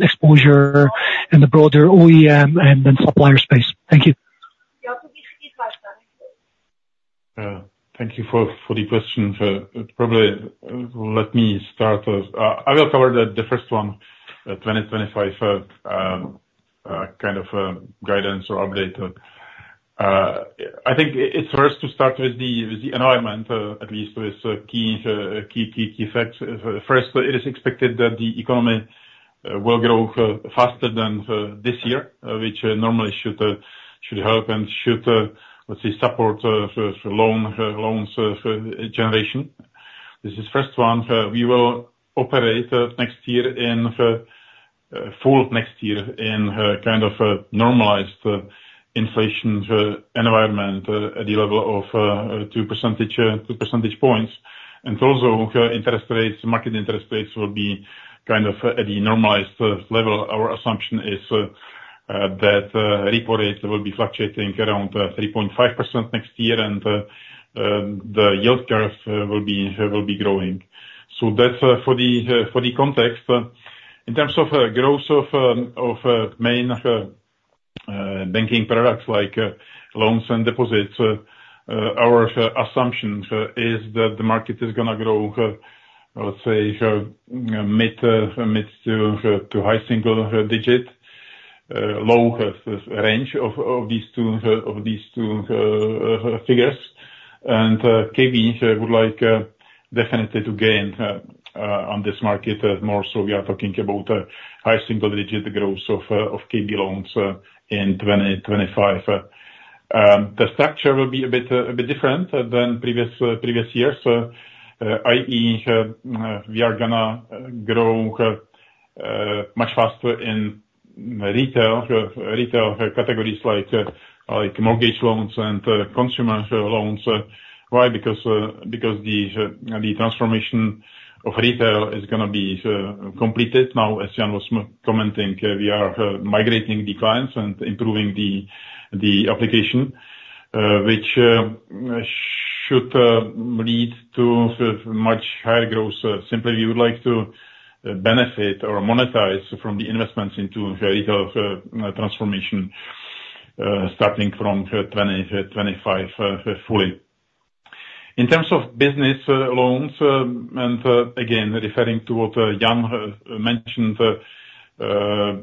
exposure and the broader OEM and then supplier space? Thank you. Thank you for the question. Probably let me start. I will cover the first one, 2025 kind of guidance or update. I think it's worth to start with the environment, at least with key facts. First, it is expected that the economy will grow faster than this year, which normally should help and should, let's say, support loans generation. This is the first one. We will operate next year in full next year in kind of a normalized inflation environment at the level of 2 percentage points, and also, interest rates, market interest rates will be kind of at a normalized level. Our assumption is that repo rate will be fluctuating around 3.5% next year, and the yield curve will be growing, so that's for the context. In terms of growth of main banking products like loans and deposits, our assumption is that the market is going to grow, let's say, mid to high single digit, low range of these two figures, and KB would like definitely to gain on this market more. So we are talking about high single-digit growth of KB loans in 2025. The structure will be a bit different than previous years, i.e., we are going to grow much faster in retail categories like mortgage loans and consumer loans. Why? Because the transformation of retail is going to be completed. Now, as Jan was commenting, we are migrating the clients and improving the application, which should lead to much higher growth. Simply, we would like to benefit or monetize from the investments into retail transformation starting from 2025 fully. In terms of business loans, and again, referring to what Jan mentioned,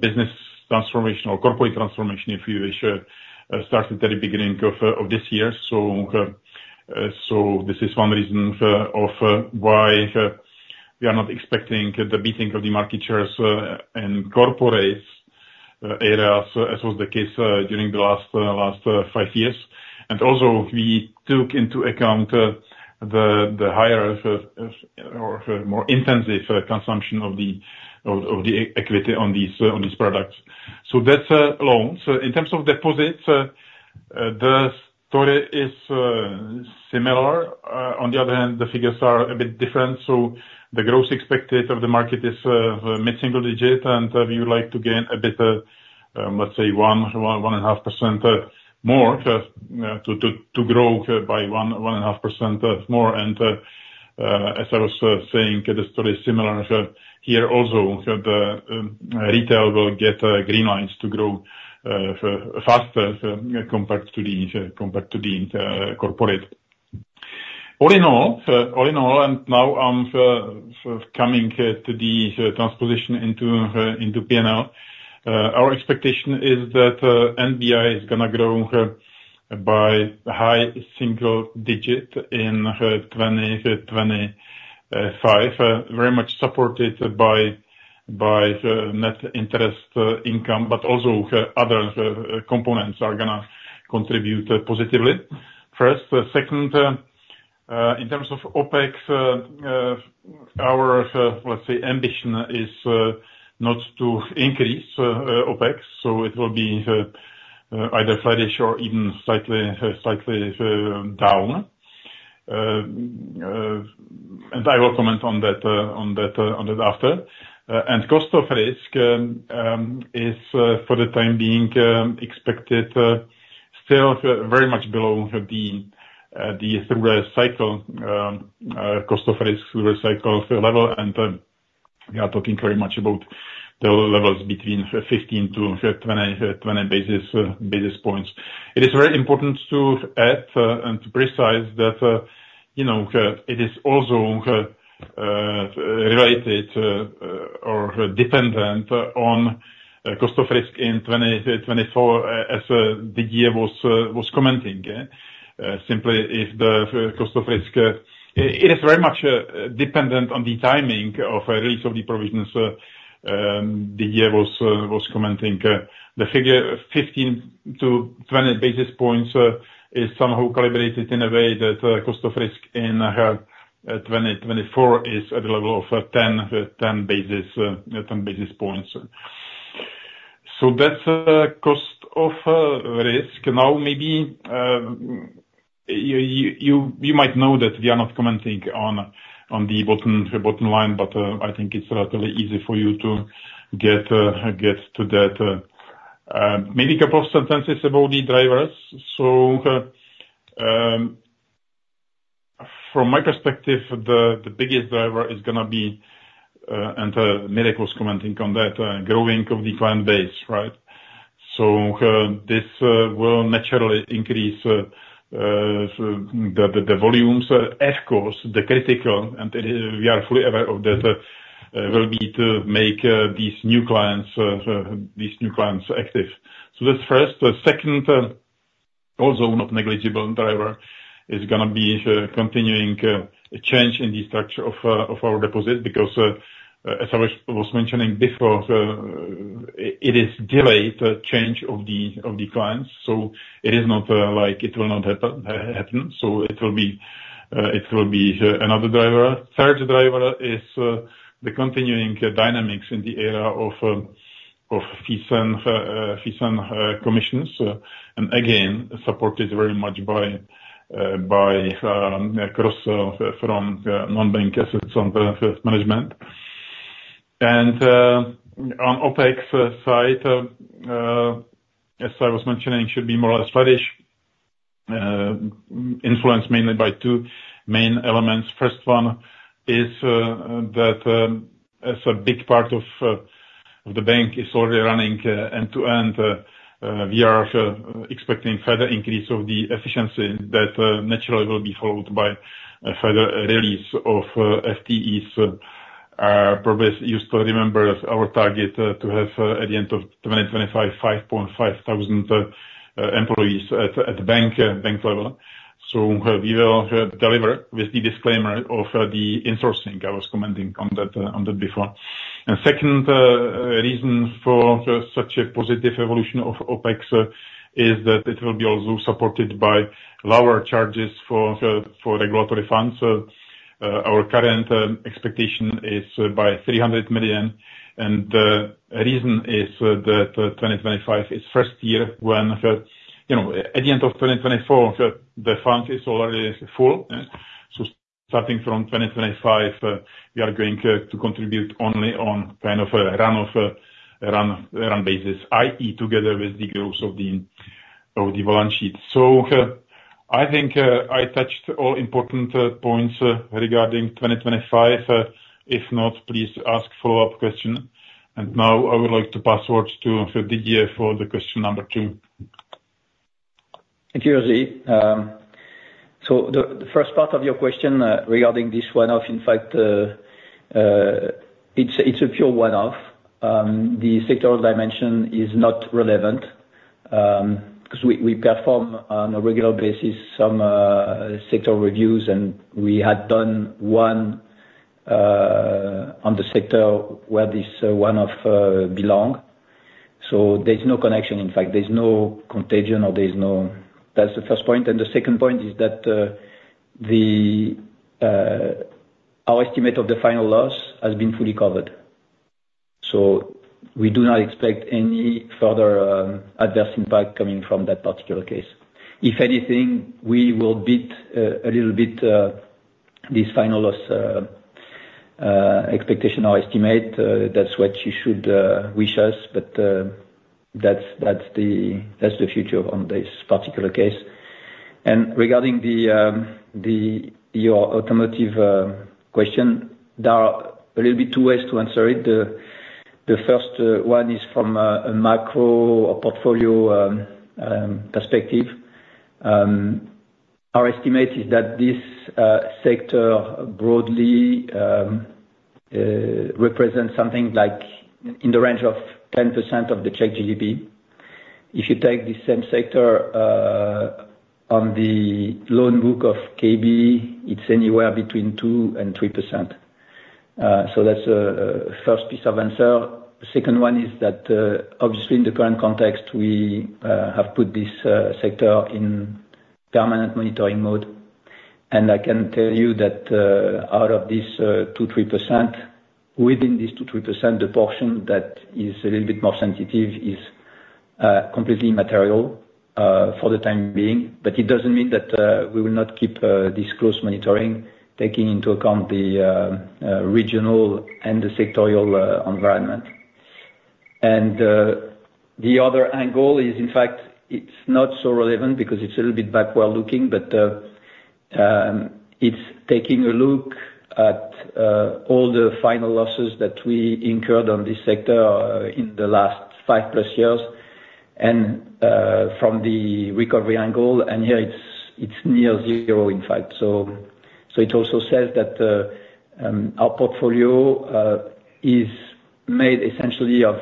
business transformation or corporate transformation, if you wish, started at the beginning of this year. So this is one reason of why we are not expecting the beating of the market shares and corporate areas, as was the case during the last five years. And also, we took into account the higher or more intensive consumption of the equity on these products. So that's loans. In terms of deposits, the story is similar. On the other hand, the figures are a bit different. So the growth expected of the market is mid-single digit, and we would like to gain a bit, let's say, 1.5% more to grow by 1.5% more. And as I was saying, the story is similar here also. Retail will get greenlights to grow faster compared to the corporate. All in all, and now I'm coming to the transposition into P&L, our expectation is that NBI is going to grow by high single digit in 2025, very much supported by net interest income, but also other components are going to contribute positively. First, second, in terms of OPEX, our, let's say, ambition is not to increase OPEX. So it will be either flat or even slightly down. And I will comment on that after. And cost of risk is, for the time being, expected still very much below the through-cycle cost of risk level. We are talking very much about the levels between 15-20 basis points. It is very important to add and to precise that it is also related or dependent on cost of risk in 2024, as Didier was commenting. Simply, if the cost of risk, it is very much dependent on the timing of release of the provisions, Didier was commenting. The figure 15-20 basis points is somehow calibrated in a way that cost of risk in 2024 is at the level of 10 basis points. So that's cost of risk. Now, maybe you might know that we are not commenting on the bottom line, but I think it's relatively easy for you to get to that. Maybe a couple of sentences about the drivers. From my perspective, the biggest driver is going to be, and Mirek was commenting on that, growing of the client base, right? This will naturally increase the volumes. Of course, the critical, and we are fully aware of that, will be to make these new clients active. So that's first. Second, also not negligible driver is going to be continuing a change in the structure of our deposit because, as I was mentioning before, it is delayed change of the clients. So it is not like it will not happen. So it will be another driver. Third driver is the continuing dynamics in the area of fees and commissions. And again, supported very much by cross-sell from non-bank assets under management. And on OPEX side, as I was mentioning, should be more flatter, influenced mainly by two main elements. First one is that as a big part of the bank is already running end-to-end, we are expecting further increase of the efficiency that naturally will be followed by further release of FTEs. You still remember our target to have at the end of 2025, 5.5 thousand employees at bank level. So we will deliver with the disclaimer of the insourcing. I was commenting on that before. And second reason for such a positive evolution of OPEX is that it will be also supported by lower charges for regulatory funds. Our current expectation is by 300 million. And the reason is that 2025 is first year when at the end of 2024, the fund is already full. So starting from 2025, we are going to contribute only on kind of a run of run basis, i.e., together with the growth of the balance sheet. So I think I touched all important points regarding 2025. If not, please ask follow-up question. And now I would like to pass words to Didier for the question number two. Thank you, Jiří. So the first part of your question regarding this one-off, in fact, it's a pure one-off. The sectoral dimension is not relevant because we perform on a regular basis some sector reviews, and we had done one on the sector where this one-off belongs. So there's no connection. In fact, there's no contagion or there's no. That's the first point. And the second point is that our estimate of the final loss has been fully covered. So we do not expect any further adverse impact coming from that particular case. If anything, we will beat a little bit this final loss expectation or estimate. That's what you should wish us, but that's the future on this particular case. And regarding your automotive question, there are a little bit two ways to answer it. The first one is from a macro or portfolio perspective. Our estimate is that this sector broadly represents something like in the range of 10% of the Czech GDP. If you take the same sector on the loan book of KB, it's anywhere between 2% and 3%. So that's the first piece of answer. The second one is that, obviously, in the current context, we have put this sector in permanent monitoring mode. And I can tell you that out of this 2%-3%, within this 2%-3%, the portion that is a little bit more sensitive is completely immaterial for the time being. But it doesn't mean that we will not keep this close monitoring, taking into account the regional and the sectoral environment. And the other angle is, in fact, it's not so relevant because it's a little bit backward-looking, but it's taking a look at all the final losses that we incurred on this sector in the last five plus years and from the recovery angle. And here, it's near zero, in fact. So it also says that our portfolio is made essentially of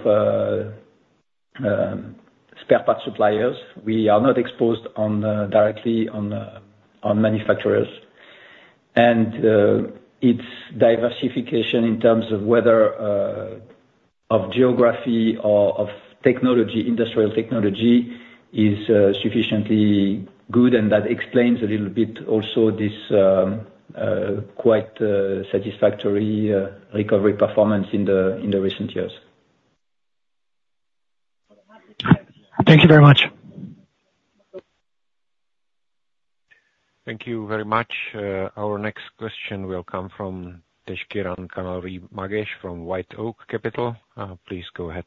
spare parts suppliers. We are not exposed directly on manufacturers. And its diversification in terms of geography or of industrial technology is sufficiently good, and that explains a little bit also this quite satisfactory recovery performance in the recent years. Thank you very much. Thank you very much. Our next question will come from Deshkiran Kannaluri Magesh from White Oak Capital. Please go ahead.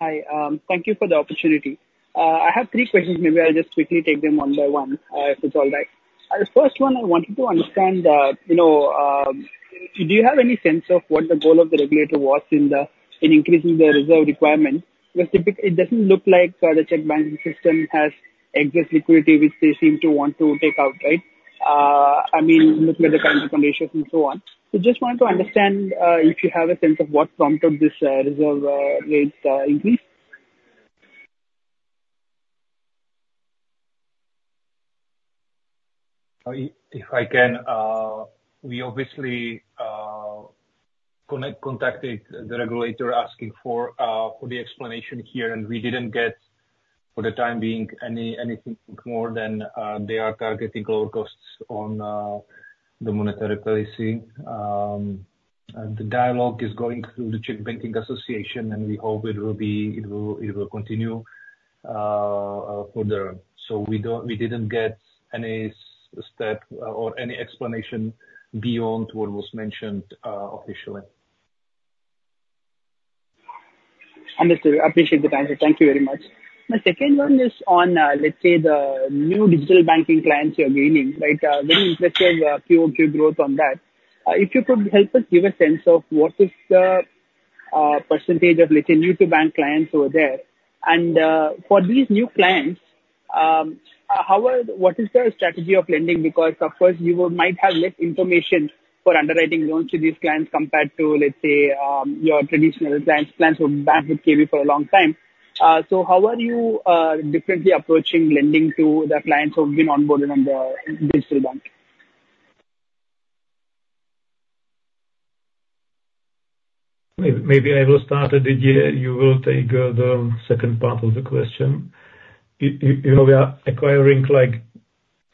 Hi. Thank you for the opportunity. I have three questions. Maybe I'll just quickly take them one by one, if it's all right. The first one, I wanted to understand, do you have any sense of what the goal of the regulator was in increasing the reserve requirement? Because it doesn't look like the Czech banking system has excess liquidity, which they seem to want to take out, right? I mean, looking at the kind of conditions and so on. So just wanted to understand if you have a sense of what prompted this reserve rate increase. If I can, we obviously contacted the regulator asking for the explanation here, and we didn't get, for the time being, anything more than they are targeting lower costs on the monetary policy. The dialogue is going through the Czech Banking Association, and we hope it will continue further. So we didn't get any step or any explanation beyond what was mentioned officially. Understood. I appreciate the time. So thank you very much. My second one is on, let's say, the new digital banking clients you're gaining, right? Very impressive QoQ growth on that. If you could help us give a sense of what is the percentage of, let's say, new-to-bank clients who are there. And for these new clients, what is the strategy of lending? Because, of course, you might have less information for underwriting loans to these clients compared to, let's say, your traditional clients, clients who've been with KB for a long time. So how are you differently approaching lending to the clients who have been onboarded on the digital bank? Maybe I will start, Didier. You will take the second part of the question. We are acquiring like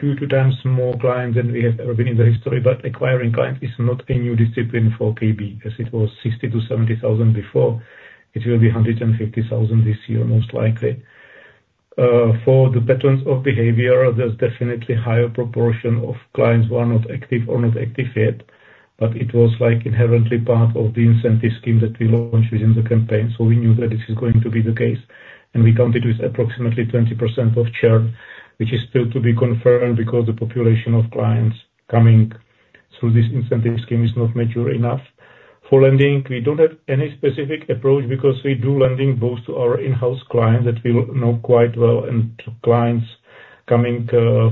two to three times more clients than we have ever been in the history, but acquiring clients is not a new discipline for KB, as it was 60-70 thousand before. It will be 150 thousand this year, most likely. For the patterns of behavior, there's definitely a higher proportion of clients who are not active or not active yet, but it was inherently part of the incentive scheme that we launched within the campaign, so we knew that this is going to be the case, and we counted with approximately 20% of churn, which is still to be confirmed because the population of clients coming through this incentive scheme is not mature enough. For lending, we don't have any specific approach because we do lending both to our in-house clients that we know quite well and clients coming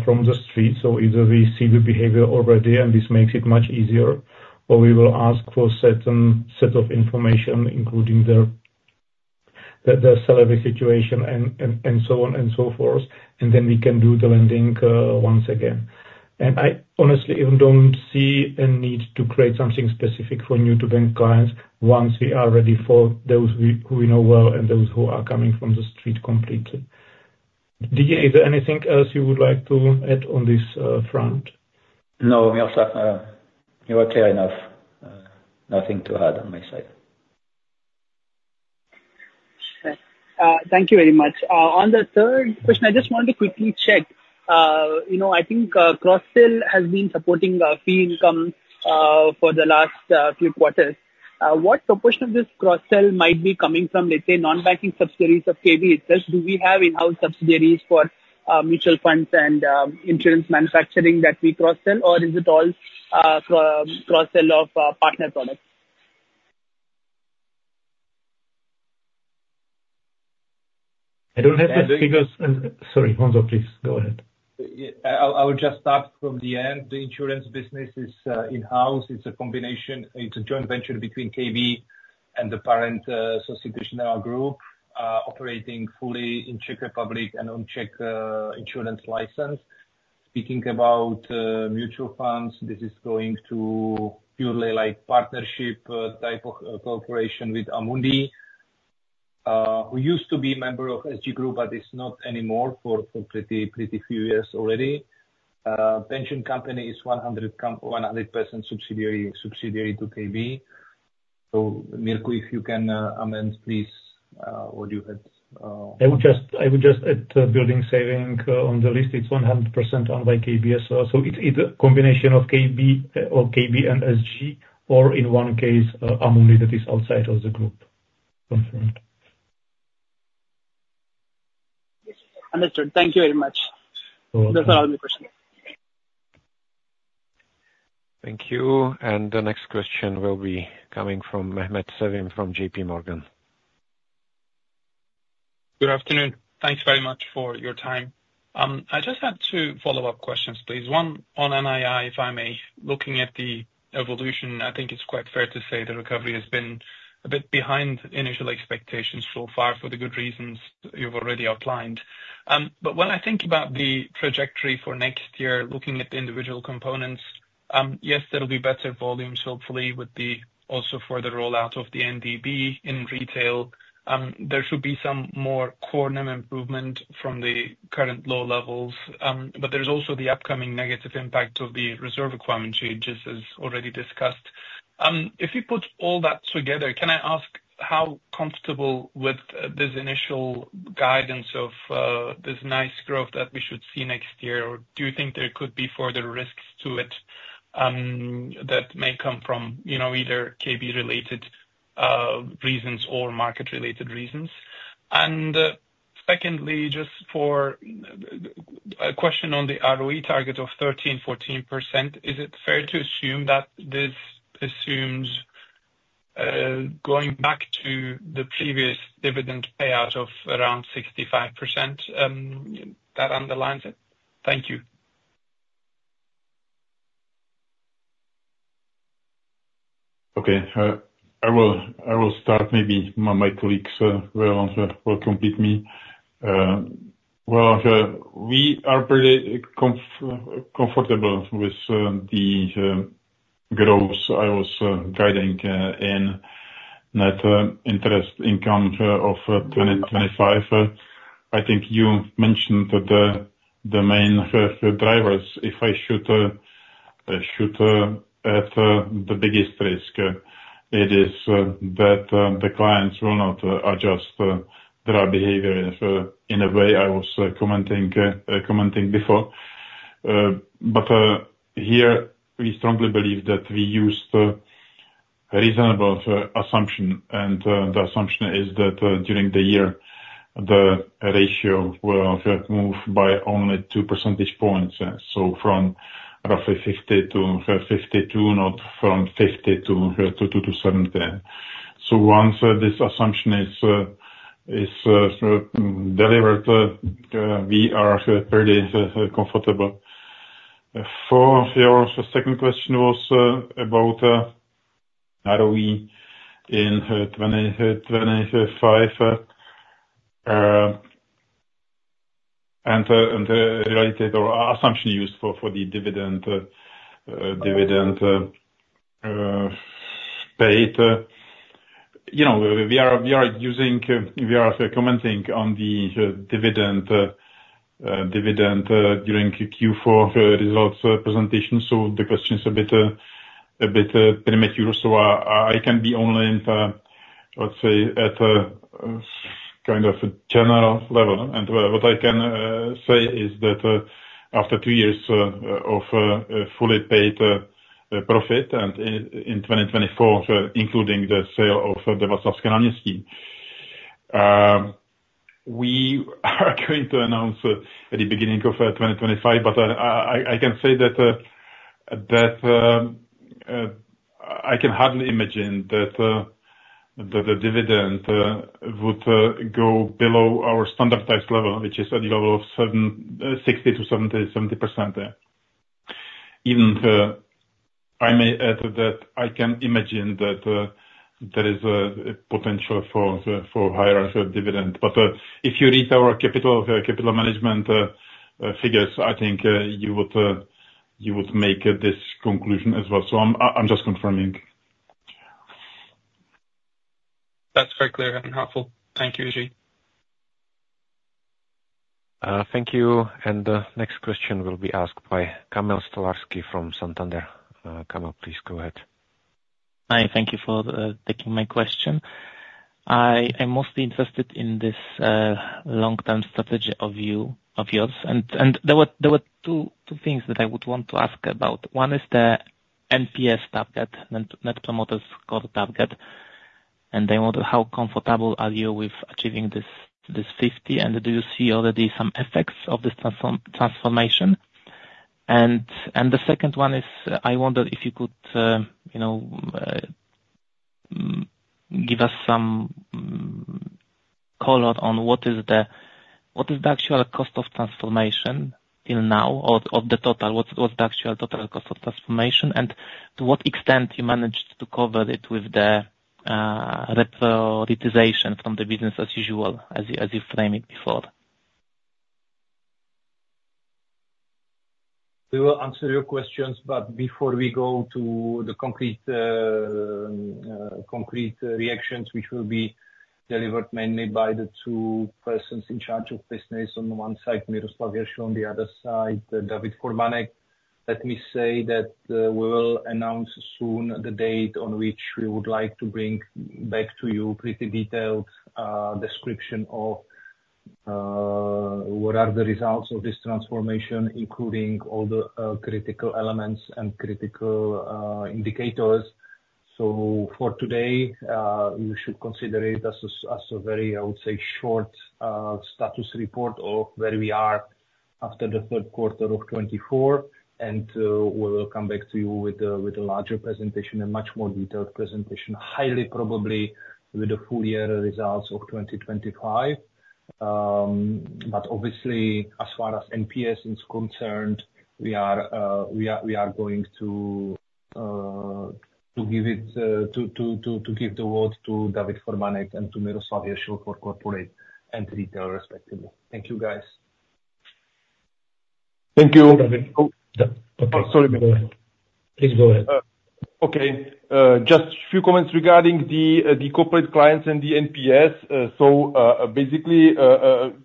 from the street. So either we see the behavior already, and this makes it much easier, or we will ask for a certain set of information, including their salary situation and so on and so forth, and then we can do the lending once again. And I honestly even don't see a need to create something specific for new-to-bank clients once we are ready for those who we know well and those who are coming from the street completely. Didier, is there anything else you would like to add on this front? No, Miroslav, you were clear enough. Nothing to add on my side. Thank you very much. On the third question, I just wanted to quickly check. I think cross-sell has been supporting fee income for the last few quarters. What proportion of this cross-sell might be coming from, let's say, non-banking subsidiaries of KB itself? Do we have in-house subsidiaries for mutual funds and insurance manufacturing that we cross-sell, or is it all cross-sell of partner products? I don't have the figures. Sorry, Jan, please go ahead. I will just start from the end. The insurance business is in-house. It's a combination. It's a joint venture between KB and the parent subsidiary in our group, operating fully in Czech Republic and on Czech insurance license. Speaking about mutual funds, this is going to purely like partnership type of cooperation with Amundi, who used to be a member of SG Group, but is not anymore for pretty few years already. Pension company is 100% subsidiary to KB. So Miroslav, if you can amend, please, what you had. I would just add building savings on the list. It's 100% owned by KB as well. So it's a combination of KB and SG, or in one case, Amundi that is outside of the group. Understood. Thank you very much. Those are all my questions. Thank you. And the next question will be coming from Mehmet Sevim from JPMorgan. Good afternoon. Thanks very much for your time. I just had two follow-up questions, please. One on NII, if I may. Looking at the evolution, I think it's quite fair to say the recovery has been a bit behind initial expectations so far for the good reasons you've already outlined. But when I think about the trajectory for next year, looking at the individual components, yes, there will be better volumes, hopefully, also for the rollout of the NDB in retail. There should be some more core NIM improvement from the current low levels, but there's also the upcoming negative impact of the reserve requirement changes, as already discussed. If you put all that together, can I ask how comfortable with this initial guidance of this nice growth that we should see next year? Do you think there could be further risks to it that may come from either KB-related reasons or market-related reasons? And secondly, just for a question on the ROE target of 13%-14%, is it fair to assume that this assumes going back to the previous dividend payout of around 65% that underlines it? Thank you. Okay. I will start. Maybe my colleagues will complete me. Well, we are pretty comfortable with the growth I was guiding in net interest income of 2025. I think you mentioned that the main drivers, if I should add the biggest risk, it is that the clients will not adjust their behavior in a way I was commenting before. But here, we strongly believe that we used a reasonable assumption, and the assumption is that during the year, the ratio will move by only two percentage points, so from roughly 50 to 52, not from 50 to 20 to 70. So once this assumption is delivered, we are pretty comfortable. For your second question was about ROE in 2025 and the reality or assumption used for the dividend paid. We are commenting on the dividend during Q4 results presentation, so the question is a bit premature. So I can be only, let's say, at a kind of general level. What I can say is that after two years of fully paid profit and in 2024, including the sale of the Václavské náměstí, we are going to announce at the beginning of 2025. I can say that I can hardly imagine that the dividend would go below our standardized level, which is at the level of 60%-70%. Even I may add that I can imagine that there is a potential for higher dividend. If you read our capital management figures, I think you would make this conclusion as well. I'm just confirming. That's very clear and helpful. Thank you, Jiří. Thank you. The next question will be asked by Kamil Stolarski from Santander. Kamil, please go ahead. Hi. Thank you for taking my question. I'm mostly interested in this long-term strategy of yours. There were two things that I would want to ask about. One is the NPS target, net promoter score target, and I wonder how comfortable are you with achieving this 50, and do you see already some effects of this transformation? The second one is I wonder if you could give us some color on what is the actual cost of transformation till now of the total. What's the actual total cost of transformation, and to what extent you managed to cover it with the reprioritization from the business as usual, as you framed it before? We will answer your questions, but before we go to the concrete reactions, which will be delivered mainly by the two persons in charge of business on one side, Miroslav Hiršl on the other side, David Formánek, let me say that we will announce soon the date on which we would like to bring back to you a pretty detailed description of what are the results of this transformation, including all the critical elements and critical indicators. So for today, you should consider it as a very, I would say, short status report of where we are after the third quarter of 2024, and we will come back to you with a larger presentation and much more detailed presentation, highly probably with the full year results of 2025. But obviously, as far as NPS is concerned, we are going to give the word to David Formánek and to Miroslav Hiršl for corporate and retail, respectively. Thank you, guys. Thank you. Sorry, Miroslav. Please go ahead. Okay. Just a few comments regarding the corporate clients and the NPS. So basically,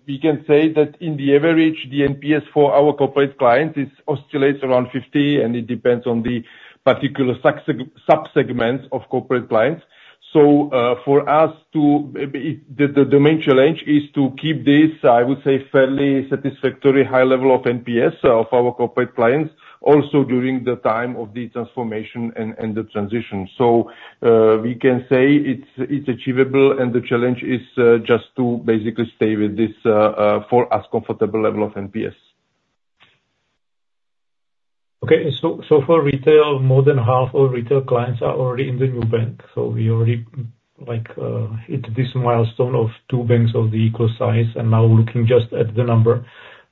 we can say that in the average, the NPS for our corporate clients oscillates around 50, and it depends on the particular subsegments of corporate clients. So for us, the main challenge is to keep this, I would say, fairly satisfactory high level of NPS of our corporate clients also during the time of the transformation and the transition. So we can say it's achievable, and the challenge is just to basically stay with this for us comfortable level of NPS. Okay. For retail, more than half of retail clients are already in the new bank. We already hit this milestone of two banks of the equal size, and now looking just at the number,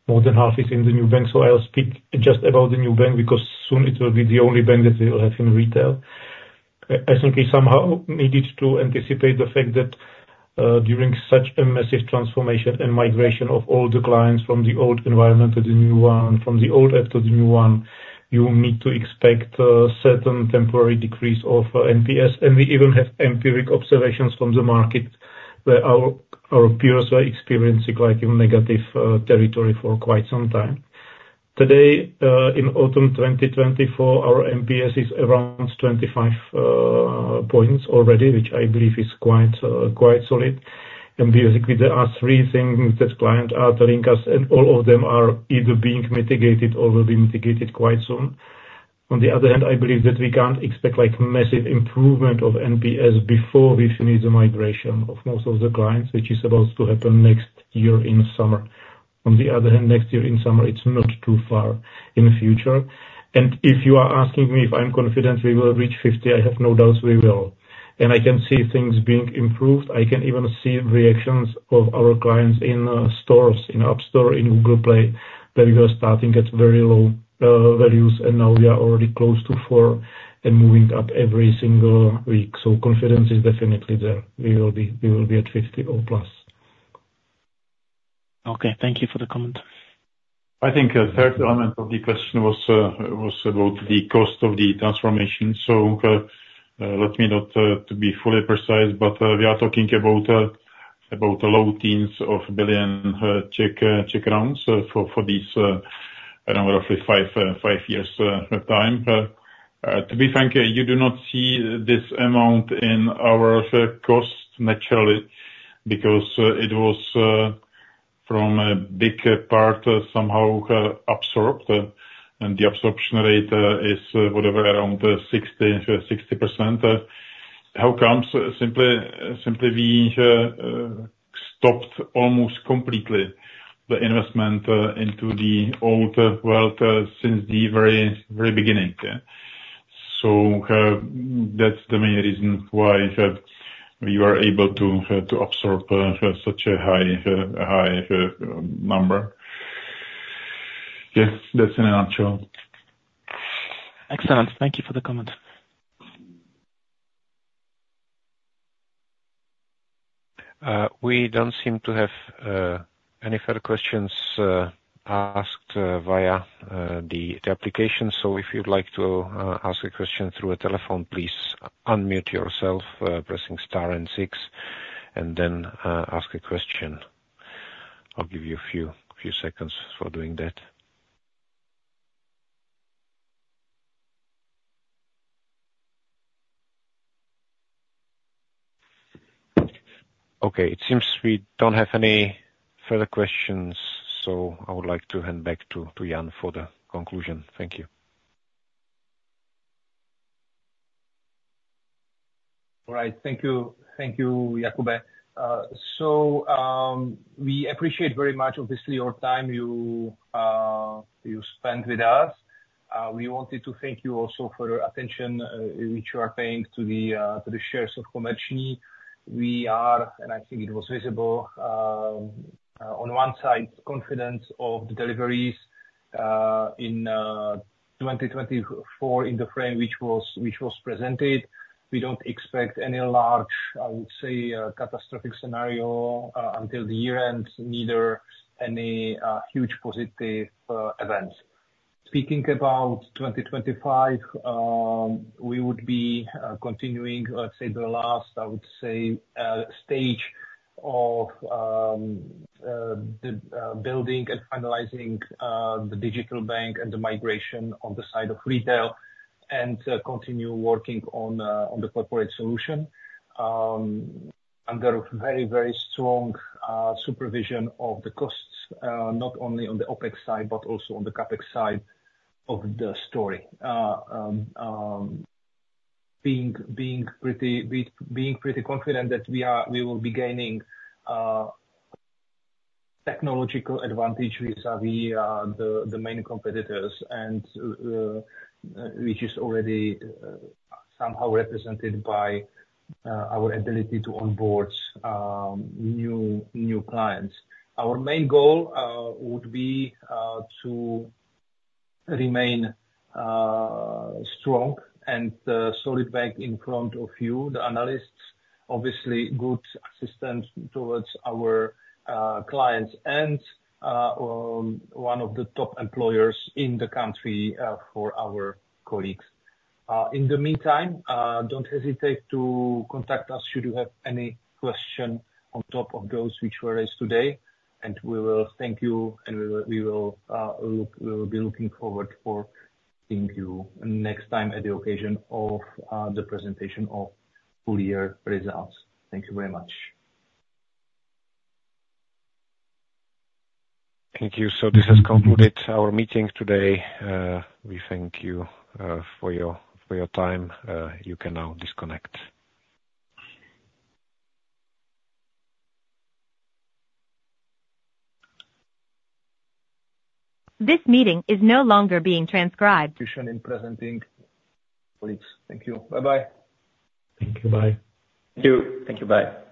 more than half is in the new bank. I'll speak just about the new bank because soon it will be the only bank that we will have in retail. I think we somehow needed to anticipate the fact that during such a massive transformation and migration of all the clients from the old environment to the new one, from the old app to the new one, you need to expect a certain temporary decrease of NPS. We even have empirical observations from the market where our peers are experiencing negative territory for quite some time. Today, in autumn 2024, our NPS is around 25 points already, which I believe is quite solid. Basically, there are three things that clients are telling us, and all of them are either being mitigated or will be mitigated quite soon. On the other hand, I believe that we can't expect massive improvement of NPS before we finish the migration of most of the clients, which is about to happen next year in summer. On the other hand, next year in summer, it's not too far in the future. If you are asking me if I'm confident we will reach 50, I have no doubts we will. I can see things being improved. I can even see reactions of our clients in stores, in App Store, in Google Play that we were starting at very low values, and now we are already close to 4 and moving up every single week. So confidence is definitely there. We will be at 50 or plus. Okay. Thank you for the comment. I think the third element of the question was about the cost of the transformation. So let me not be fully precise, but we are talking about low teens of billion CZK for these, I don't know, roughly five years' time. To be frank, you do not see this amount in our cost naturally because it was from a big part somehow absorbed, and the absorption rate is whatever, around 60%. How come? Simply, we stopped almost completely the investment into the old world since the very beginning. So that's the main reason why we were able to absorb such a high number. Yeah, that's in a nutshell. Excellent. Thank you for the comment. We don't seem to have any further questions asked via the application. So if you'd like to ask a question through a telephone, please unmute yourself, pressing star and six, and then ask a question. I'll give you a few seconds for doing that. Okay. It seems we don't have any further questions, so I would like to hand back to Jan for the conclusion. Thank you. All right. Thank you, Jakub. So we appreciate very much, obviously, your time you spent with us. We wanted to thank you also for your attention, which you are paying to the shares of Komerční. We are, and I think it was visible, on one side, confident of the deliveries in 2024 in the frame which was presented. We don't expect any large, I would say, catastrophic scenario until the year end, neither any huge positive events. Speaking about 2025, we would be continuing, let's say, the last, I would say, stage of building and finalizing the digital bank and the migration on the side of retail and continue working on the corporate solution under very, very strong supervision of the costs, not only on the OPEX side but also on the CAPEX side of the story. Being pretty confident that we will be gaining technological advantage vis-à-vis the main competitors, which is already somehow represented by our ability to onboard new clients. Our main goal would be to remain strong and solid back in front of you, the analysts, obviously good assistance towards our clients, and one of the top employers in the country for our colleagues. In the meantime, don't hesitate to contact us should you have any question on top of those which were raised today. And we will thank you, and we will be looking forward to seeing you next time at the occasion of the presentation of full year results. Thank you very much. Thank you. So this has concluded our meeting today. We thank you for your time. You can now disconnect. This meeting is no longer being transcribed. This concludes the presentation colleagues. Thank you. Bye-bye. Thank you. Bye. Thank you. Thank you. Bye.